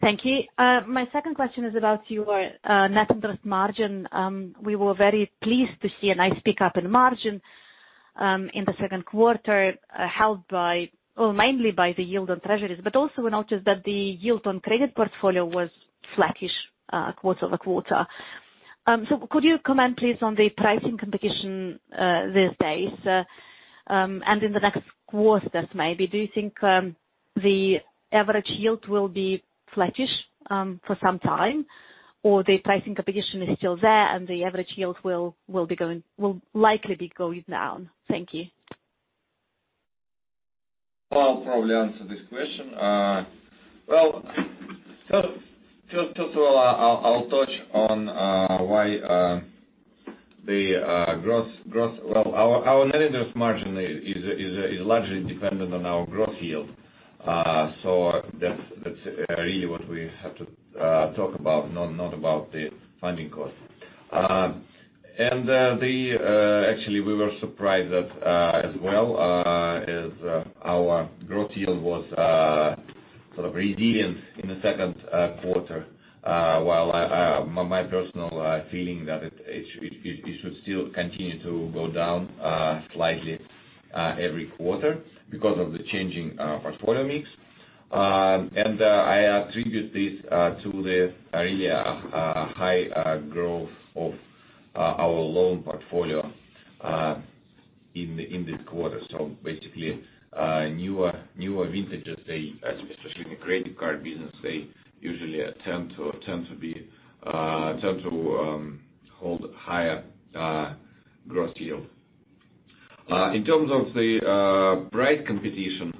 Thank you. My second question is about your net interest margin. We were very pleased to see a nice pickup in margin, in the second quarter, helped mainly by the yield on treasuries, but also we noticed that the yield on credit portfolio was flattish quarter-over-quarter. Could you comment, please, on the pricing competition these days, and in the next quarters maybe? Do you think the average yield will be flattish for some time, or the pricing competition is still there, and the average yield will likely be going down? Thank you. I'll probably answer this question. First of all, I'll touch on why our net interest margin is largely dependent on our growth yield. That's really what we have to talk about, not about the funding cost. Actually, we were surprised as well, as our growth yield was sort of resilient in the second quarter, while my personal feeling that it should still continue to go down slightly every quarter because of the changing portfolio mix. I attribute this to the really high growth of our loan portfolio in this quarter. Basically, newer vintages, especially in the credit card business, they usually tend to hold higher growth yield. In terms of the price competition,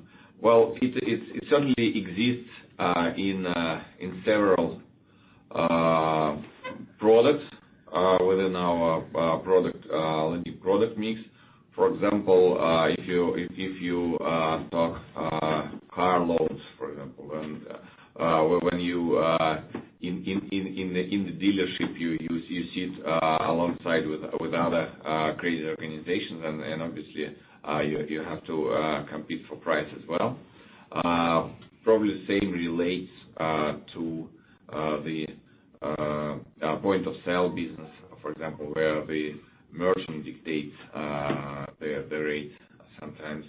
it certainly exists in several products within our lending product mix. For example, if you talk car loans, for example, and when in the dealership, you sit alongside with other credit organizations and obviously you have to compete for price as well. Probably the same relates to the point of sale business, for example, where the merchant dictates the rate sometimes.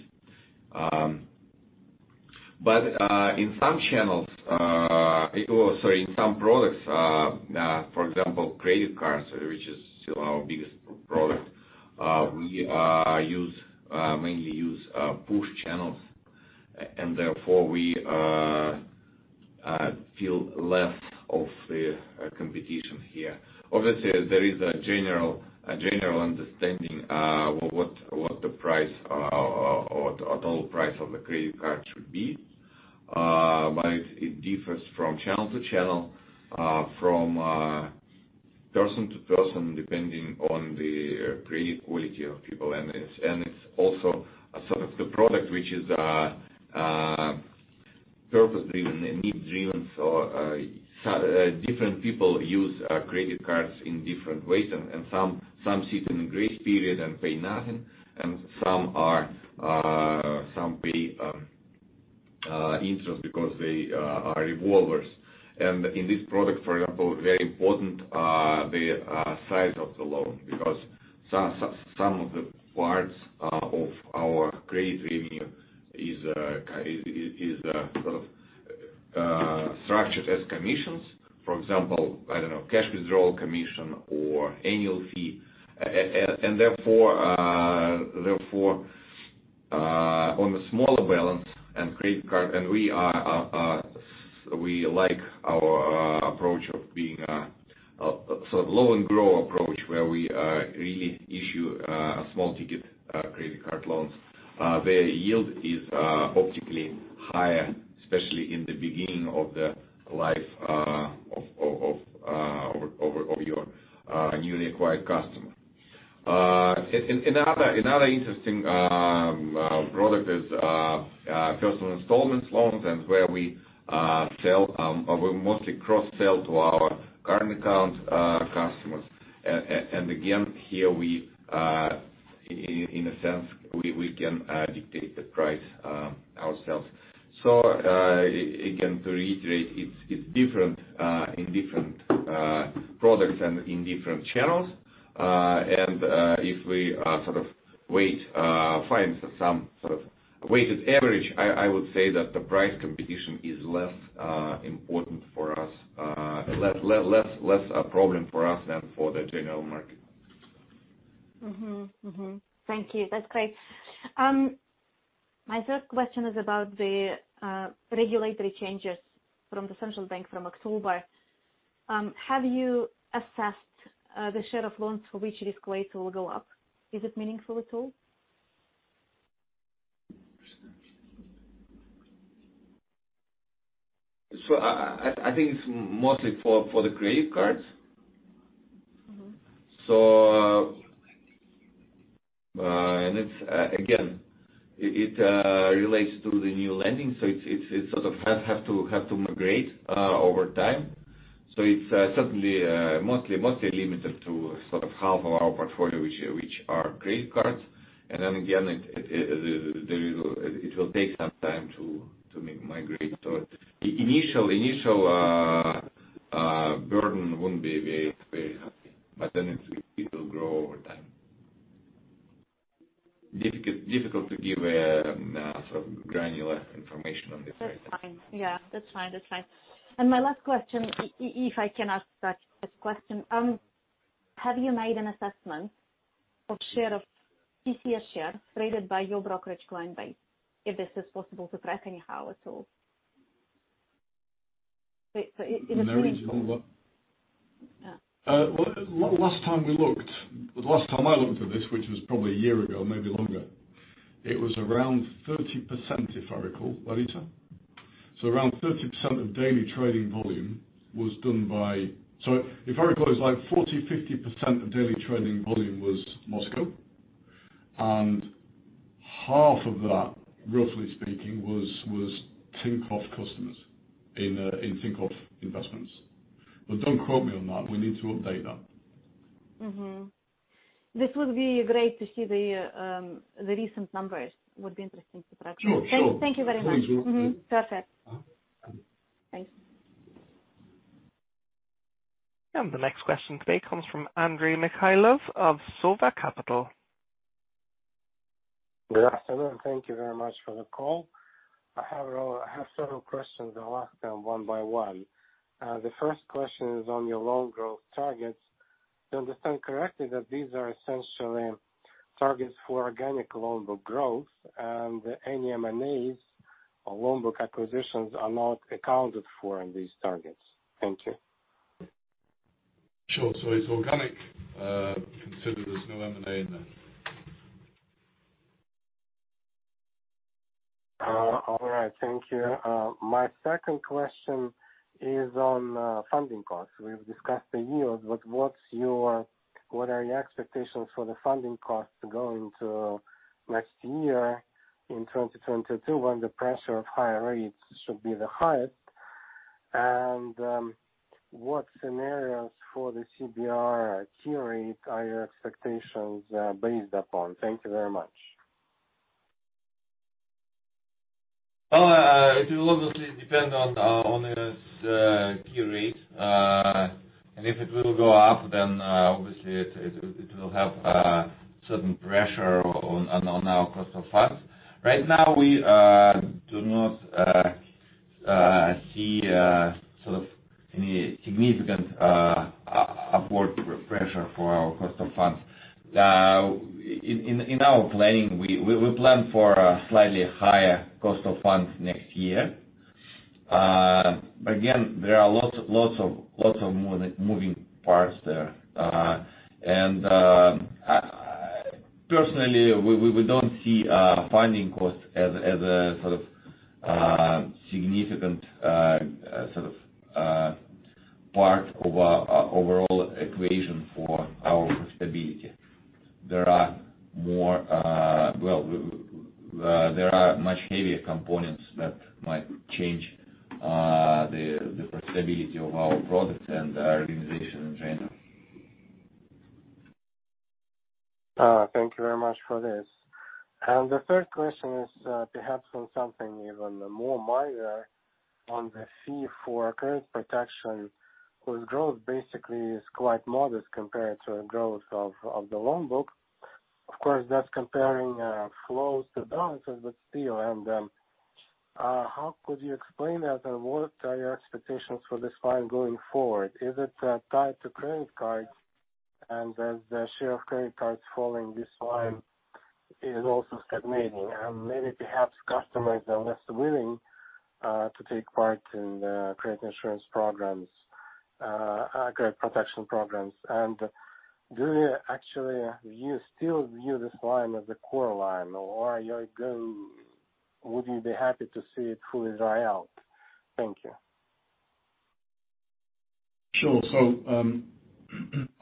In some products, for example, credit cards, which is still our biggest product, we mainly use push channels, and therefore we feel less of the competition here. Obviously, there is a general understanding what the total price of the credit card should be. It differs from channel to channel, from person to person, depending on the credit quality of people. It's also the product, which is purpose-driven and need-driven. Different people use credit cards in different ways, and some sit in a grace period and pay nothing, and some pay interest because they are revolvers. In this product, for example, very important, the size of the loan, because some of the parts of our credit revenue is structured as commissions. For example, I don't know, cash withdrawal commission or annual fee. Therefore, on the smaller balance and credit card, and we like our approach of being a low and grow approach, where we really issue small-ticket credit card loans. The yield is optically higher, especially in the beginning of the life of your newly acquired customer. Another interesting product is personal installment loans, and where we mostly cross-sell to our current account customers. Again, here, in a sense, we can dictate the price ourselves. Again, to reiterate, it's different in different products and in different channels. If we find some sort of weighted average, I would say that the price competition is less important for us, less a problem for us than for the general market. Mm-hmm. Thank you. That's great. My third question is about the regulatory changes from the Central Bank from October. Have you assessed the share of loans for which risk weight will go up? Is it meaningful at all? I think it's mostly for the credit cards. It relates to the new lending, it sort of have to migrate over time. It's certainly mostly limited to half of our portfolio, which are credit cards. Again, it will take some time to migrate. Initial burden won't be very high, it will grow over time. Difficult to give granular information on this right now. That's fine. Yeah. That's fine. My last question, if I can ask that as a question, have you made an assessment of TCS share traded by your brokerage client base? If this is possible to track anyhow at all. Last time we looked, the last time I looked at this, which was probably a year ago, maybe longer, it was around 30%, if I recall. Ilya? Around 30% of daily trading volume. If I recall, it was like 40%-50% of daily trading volume was Moscow. Half of that, roughly speaking, was Tinkoff customers in Tinkoff Investments. Don't quote me on that. We need to update that. This would be great to see the recent numbers. Would be interesting to track. Sure. Thank you very much. Perfect. Thanks. The next question today comes from Andrey Mikhailov of Sova Capital. Good afternoon. Thank you very much for the call. I have several questions. I'll ask them one by one. The first question is on your loan growth targets. Do I understand correctly that these are essentially targets for organic loan book growth, and any M&As or loan book acquisitions are not accounted for in these targets? Thank you. Sure. It's organic, considered there's no M&A in there. All right. Thank you. My second question is on funding costs. We've discussed the yields, what are your expectations for the funding costs going to next year in 2022, when the pressure of higher rates should be the highest? What scenarios for the CBR key rate are your expectations based upon? Thank you very much. It will obviously depend on this key rate. If it will go up, then obviously it will have certain pressure on our cost of funds. Right now, we do not see any significant upward pressure for our cost of funds. In our planning, we plan for a slightly higher cost of funds next year. Again, there are lots of moving parts there. I personally, we don't see funding costs as a significant part of our overall equation for our profitability. There are much heavier components that might change the profitability of our product and our organization in general. Thank you very much for this. The third question is perhaps on something even more minor, on the fee for credit protection, whose growth basically is quite modest compared to the growth of the loan book. Of course, that's comparing flows to balances, but still. How could you explain that? What are your expectations for this line going forward? Is it tied to credit cards? As the share of credit cards falling, this line is also stagnating. Maybe perhaps customers are less willing to take part in credit insurance programs, credit protection programs. Do you actually still view this line as a core line, or would you be happy to see it fully dry out? Thank you. Sure.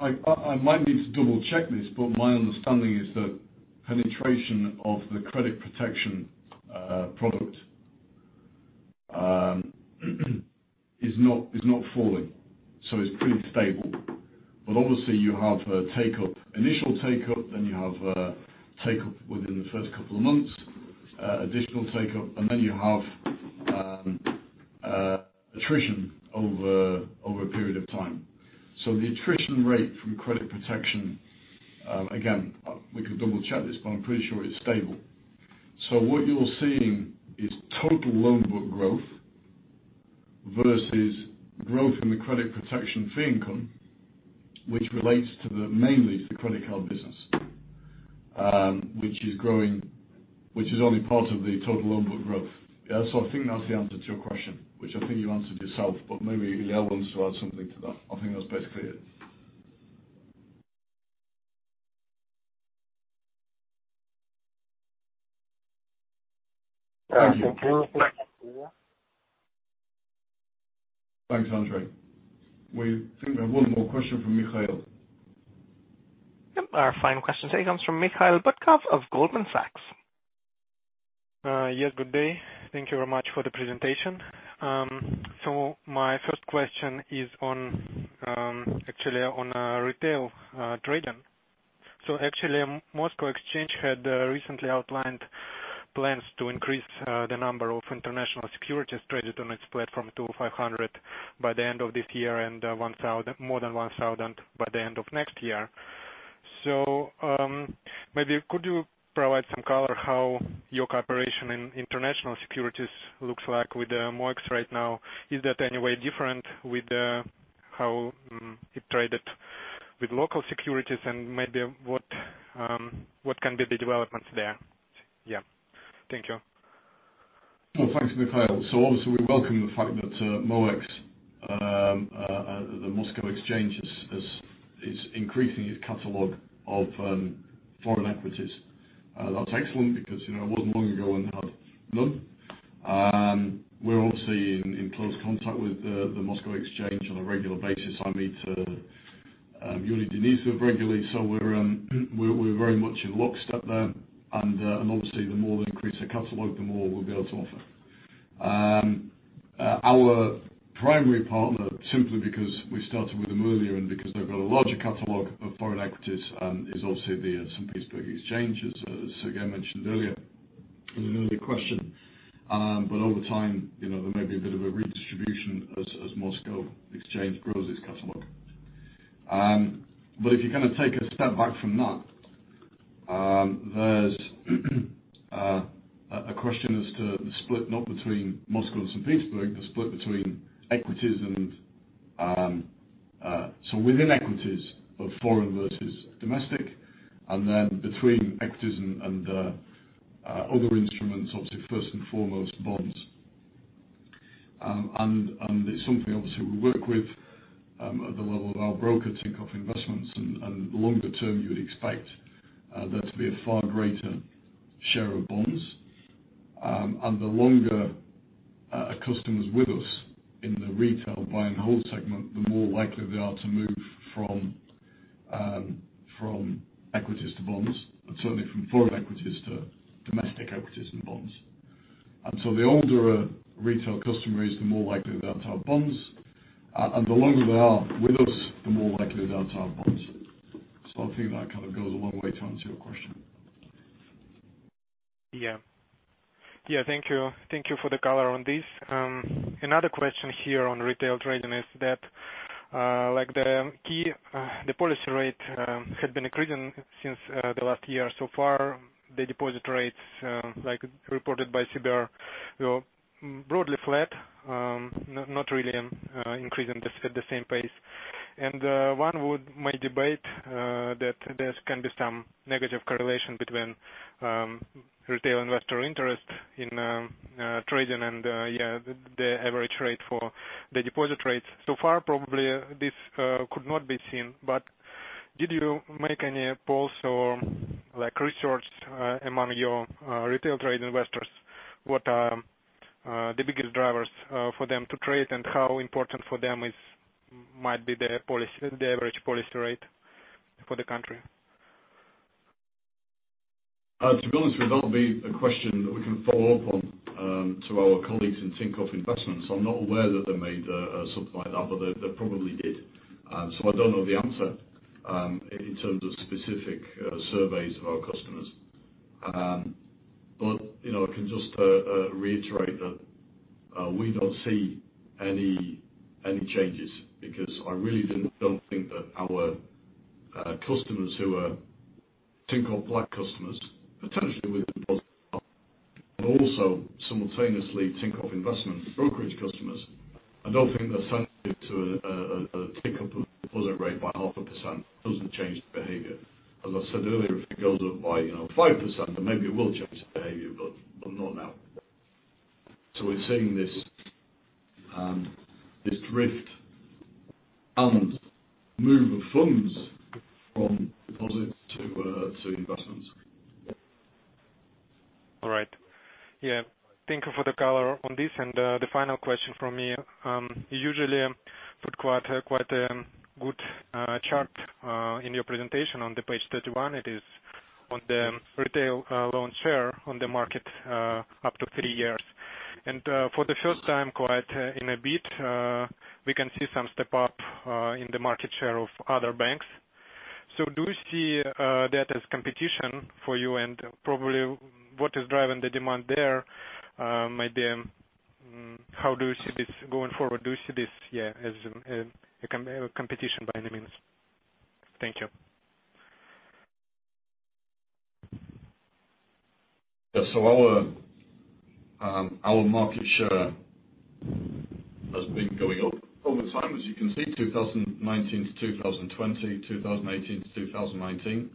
I might need to double-check this, but my understanding is that penetration of the credit protection product is not falling, so it's pretty stable. Obviously you have initial take-up, then you have take-up within the first couple of months, additional take-up, and then you have attrition over a period of time. The attrition rate from credit protection, again, we could double-check this, but I'm pretty sure it's stable. What you're seeing is total loan book growth versus growth in the credit protection fee income, which relates mainly to the credit card business, which is only part of the total loan book growth. I think that's the answer to your question, which I think you answered yourself, but maybe Ilya wants to add something to that. I think that's basically it. Thank you. Anything else, Ilya? Thanks, Andrey. We seem to have one more question from Mikhail. Yep. Our final question today comes from Mikhail Butkov of Goldman Sachs. Yes, good day. Thank you very much for the presentation. My first question is actually on retail trading. Actually, Moscow Exchange had recently outlined plans to increase the number of international securities traded on its platform to 500 by the end of this year, and more than 1,000 by the end of next year. Maybe could you provide some color how your cooperation in international securities looks like with MOEX right now? Is that any way different with how it traded with local securities and maybe what can be the developments there? Yeah. Thank you. Well, thanks, Mikhail. Obviously, we welcome the fact that MOEX, the Moscow Exchange, is increasing its catalog of foreign equities. That's excellent because it wasn't long ago when they had none. We're obviously in close contact with the Moscow Exchange on a regular basis. I meet Yury Denisov regularly, we're very much in lockstep there, obviously, the more they increase their catalog, the more we'll be able to offer. Our primary partner, simply because we started with them earlier and because they've got a larger catalog of foreign equities, is obviously the St. Petersburg Exchange, as Sergey mentioned earlier in an earlier question. Over time, there may be a bit of a redistribution as Moscow Exchange grows its catalog. If you kind of take a step back from that, there's a question as to the split, not between Moscow and St. Petersburg, the split between equities and within equities of foreign versus domestic, and then between equities and other instruments, obviously, first and foremost, bonds. It's something, obviously, we work with at the level of our broker, Tinkoff Investments, and longer term, you would expect there to be a far greater share of bonds. The longer a customer's with us in the retail buy and hold segment, the more likely they are to move from equities to bonds, and certainly from foreign equities to domestic equities and bonds. The older a retail customer is, the more likely they are to have bonds, and the longer they are with us, the more likely they are to have bonds. I think that kind of goes a long way to answer your question. Thank you for the color on this. Another question here on retail trading is that the policy rate had been increasing since the last year so far. The deposit rates, like reported by CBR, were broadly flat, not really increasing just at the same pace. One might debate that there can be some negative correlation between retail investor interest in trading and the average rate for the deposit rates. So far, probably, this could not be seen, but did you make any polls or research among your retail trade investors? What are the biggest drivers for them to trade, and how important for them might be the average policy rate for the country? To be honest with you, that would be a question that we can follow up on to our colleagues in Tinkoff Investments. I'm not aware that they made something like that, but they probably did. I don't know the answer in terms of specific surveys of our customers. I can just reiterate that we don't see any changes because I really don't think that our customers who are Tinkoff Black customers, potentially with deposit are also simultaneously Tinkoff Investments brokerage customers, I don't think they're sensitive to a tick up of deposit rate by half a percent, doesn't change behavior. As I said earlier, if it goes up by five percent, then maybe it will change the behavior, but not now. We're seeing this drift and move of funds from deposits to investments. All right. Yeah. Thank you for the color on this. The final question from me, usually you put quite a good chart in your presentation on the page 31. It is on the retail loan share on the market up to three years. For the first time quite in a bit, we can see some step up in the market share of other banks. Do you see that as competition for you? Probably what is driving the demand there? How do you see this going forward? Do you see this, yeah, as a competition by any means? Thank you. Yeah. Our market share has been going up over time, as you can see, 2019 to 2020, 2018 to 2019.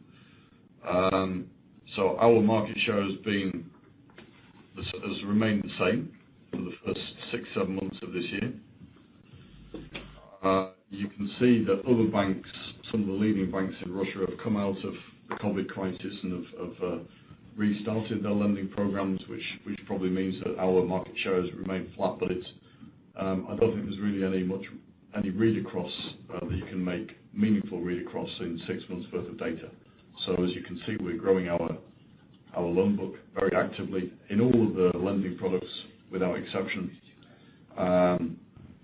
Our market share has remained the same for the first six, seven months of this year. You can see that other banks, some of the leading banks in Russia, have come out of the COVID crisis and have restarted their lending programs, which probably means that our market share has remained flat. I don't think there's really any read-across that you can make, meaningful read-across, in six months' worth of data. As you can see, we're growing our loan book very actively in all of the lending products without exception.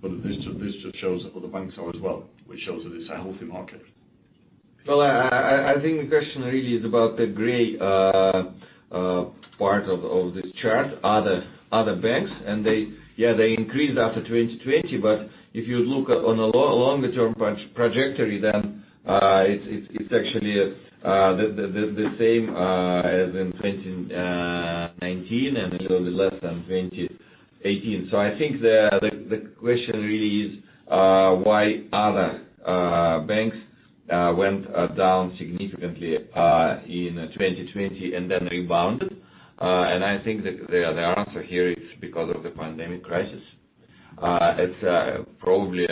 This just shows that other banks are as well, which shows that it's a healthy market. Well, I think the question really is about the gray part of this chart, other banks. They, yeah, they increased after 2020. If you look on a longer-term trajectory, then it's actually the same as in 2019 and a little bit less than 2018. I think the question really is why other banks went down significantly in 2020 and then rebounded. I think that the answer here is because of the pandemic crisis. It's probably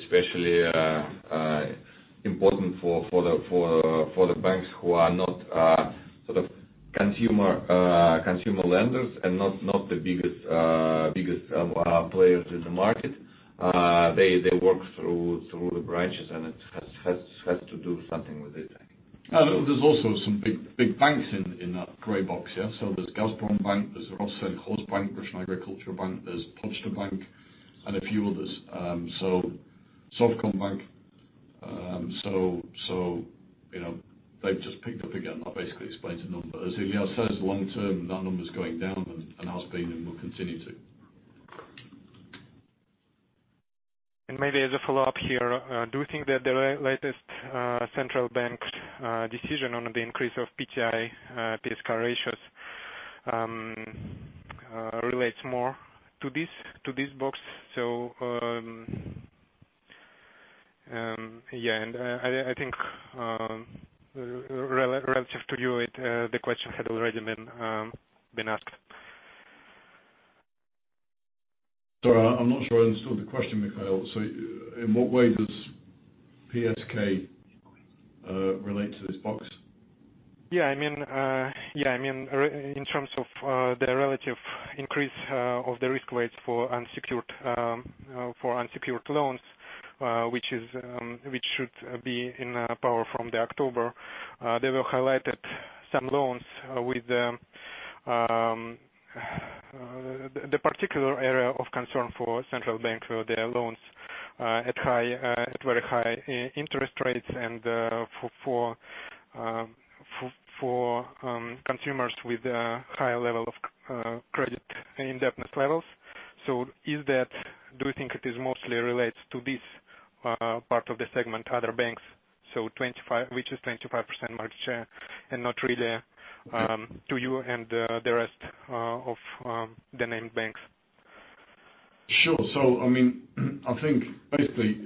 especially important for the banks who are not consumer lenders and not the biggest players in the market. They work through the branches, and it has to do something with it, I think. There's also some big banks in that gray box, yeah? There's Gazprombank, there's Rosselkhozbank, Russian Agricultural Bank, there's Pochta Bank, and a few others. Sovcombank. They've just picked up again. That basically explains the numbers. As Ilya says, long term, that number's going down and has been and will continue to. Maybe as a follow-up here, do you think that the latest Central Bank decision on the increase of PTI PSK ratios relates more to this box? Yeah, and I think relative to you, the question had already been asked. Sorry, I'm not sure I understood the question, Mikhail. In what way does PSK relate to this box? Yeah. I mean, in terms of the relative increase of the risk weights for unsecured loans, which should be in power from October. They were highlighted some loans with the particular area of concern for Central Bank were their loans at very high interest rates and for consumers with a higher level of credit indebtedness levels. Do you think it is mostly relates to this part of the segment, other banks, which is 25% market share, and not really to you and the rest of the named banks? Sure. I think basically,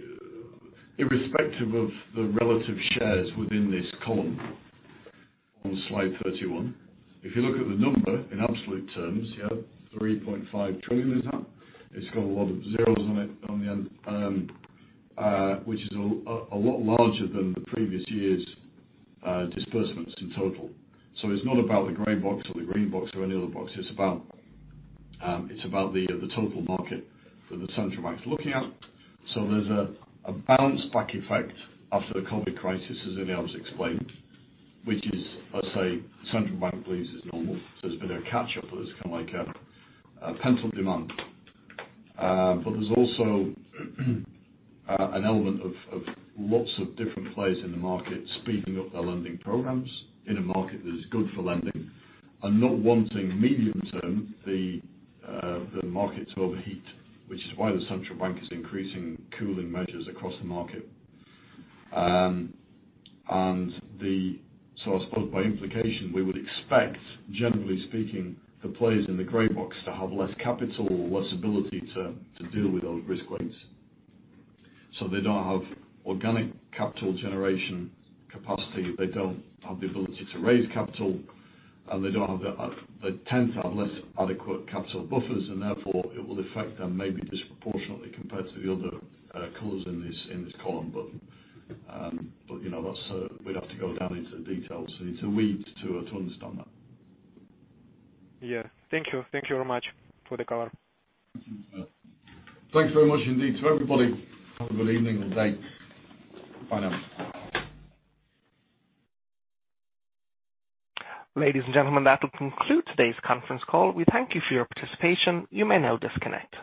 irrespective of the relative shares within this column on slide 31, if you look at the number in absolute terms, yeah, 3.5 trillion is that. It's got a lot of zeros on it, which is a lot larger than the previous year's disbursements in total. It's not about the gray box or the green box or any other box. It's about the total market that the Central Bank's looking at. There's a bounce back effect after the COVID crisis, as Ilya's explained, which is, I'd say, Central Bank believes is normal. There's been a catch-up, but it's kind of like a pent-up demand. There's also an element of lots of different players in the market speeding up their lending programs in a market that is good for lending and not wanting medium-term the markets overheat, which is why the Central Bank is increasing cooling measures across the market. I suppose by implication, we would expect, generally speaking, the players in the gray box to have less capital or less ability to deal with those risk weights. They don't have organic capital generation capacity, they don't have the ability to raise capital, and they tend to have less adequate capital buffers, and therefore, it will affect them maybe disproportionately compared to the other colors in this column. We'd have to go down into the details, into the weeds, to understand that. Yeah. Thank you. Thank you very much for the color. Thank you. Thanks very much indeed to everybody. Have a good evening and day. Bye now. Ladies and gentlemen, that will conclude today's conference call. We thank you for your participation. You may now disconnect.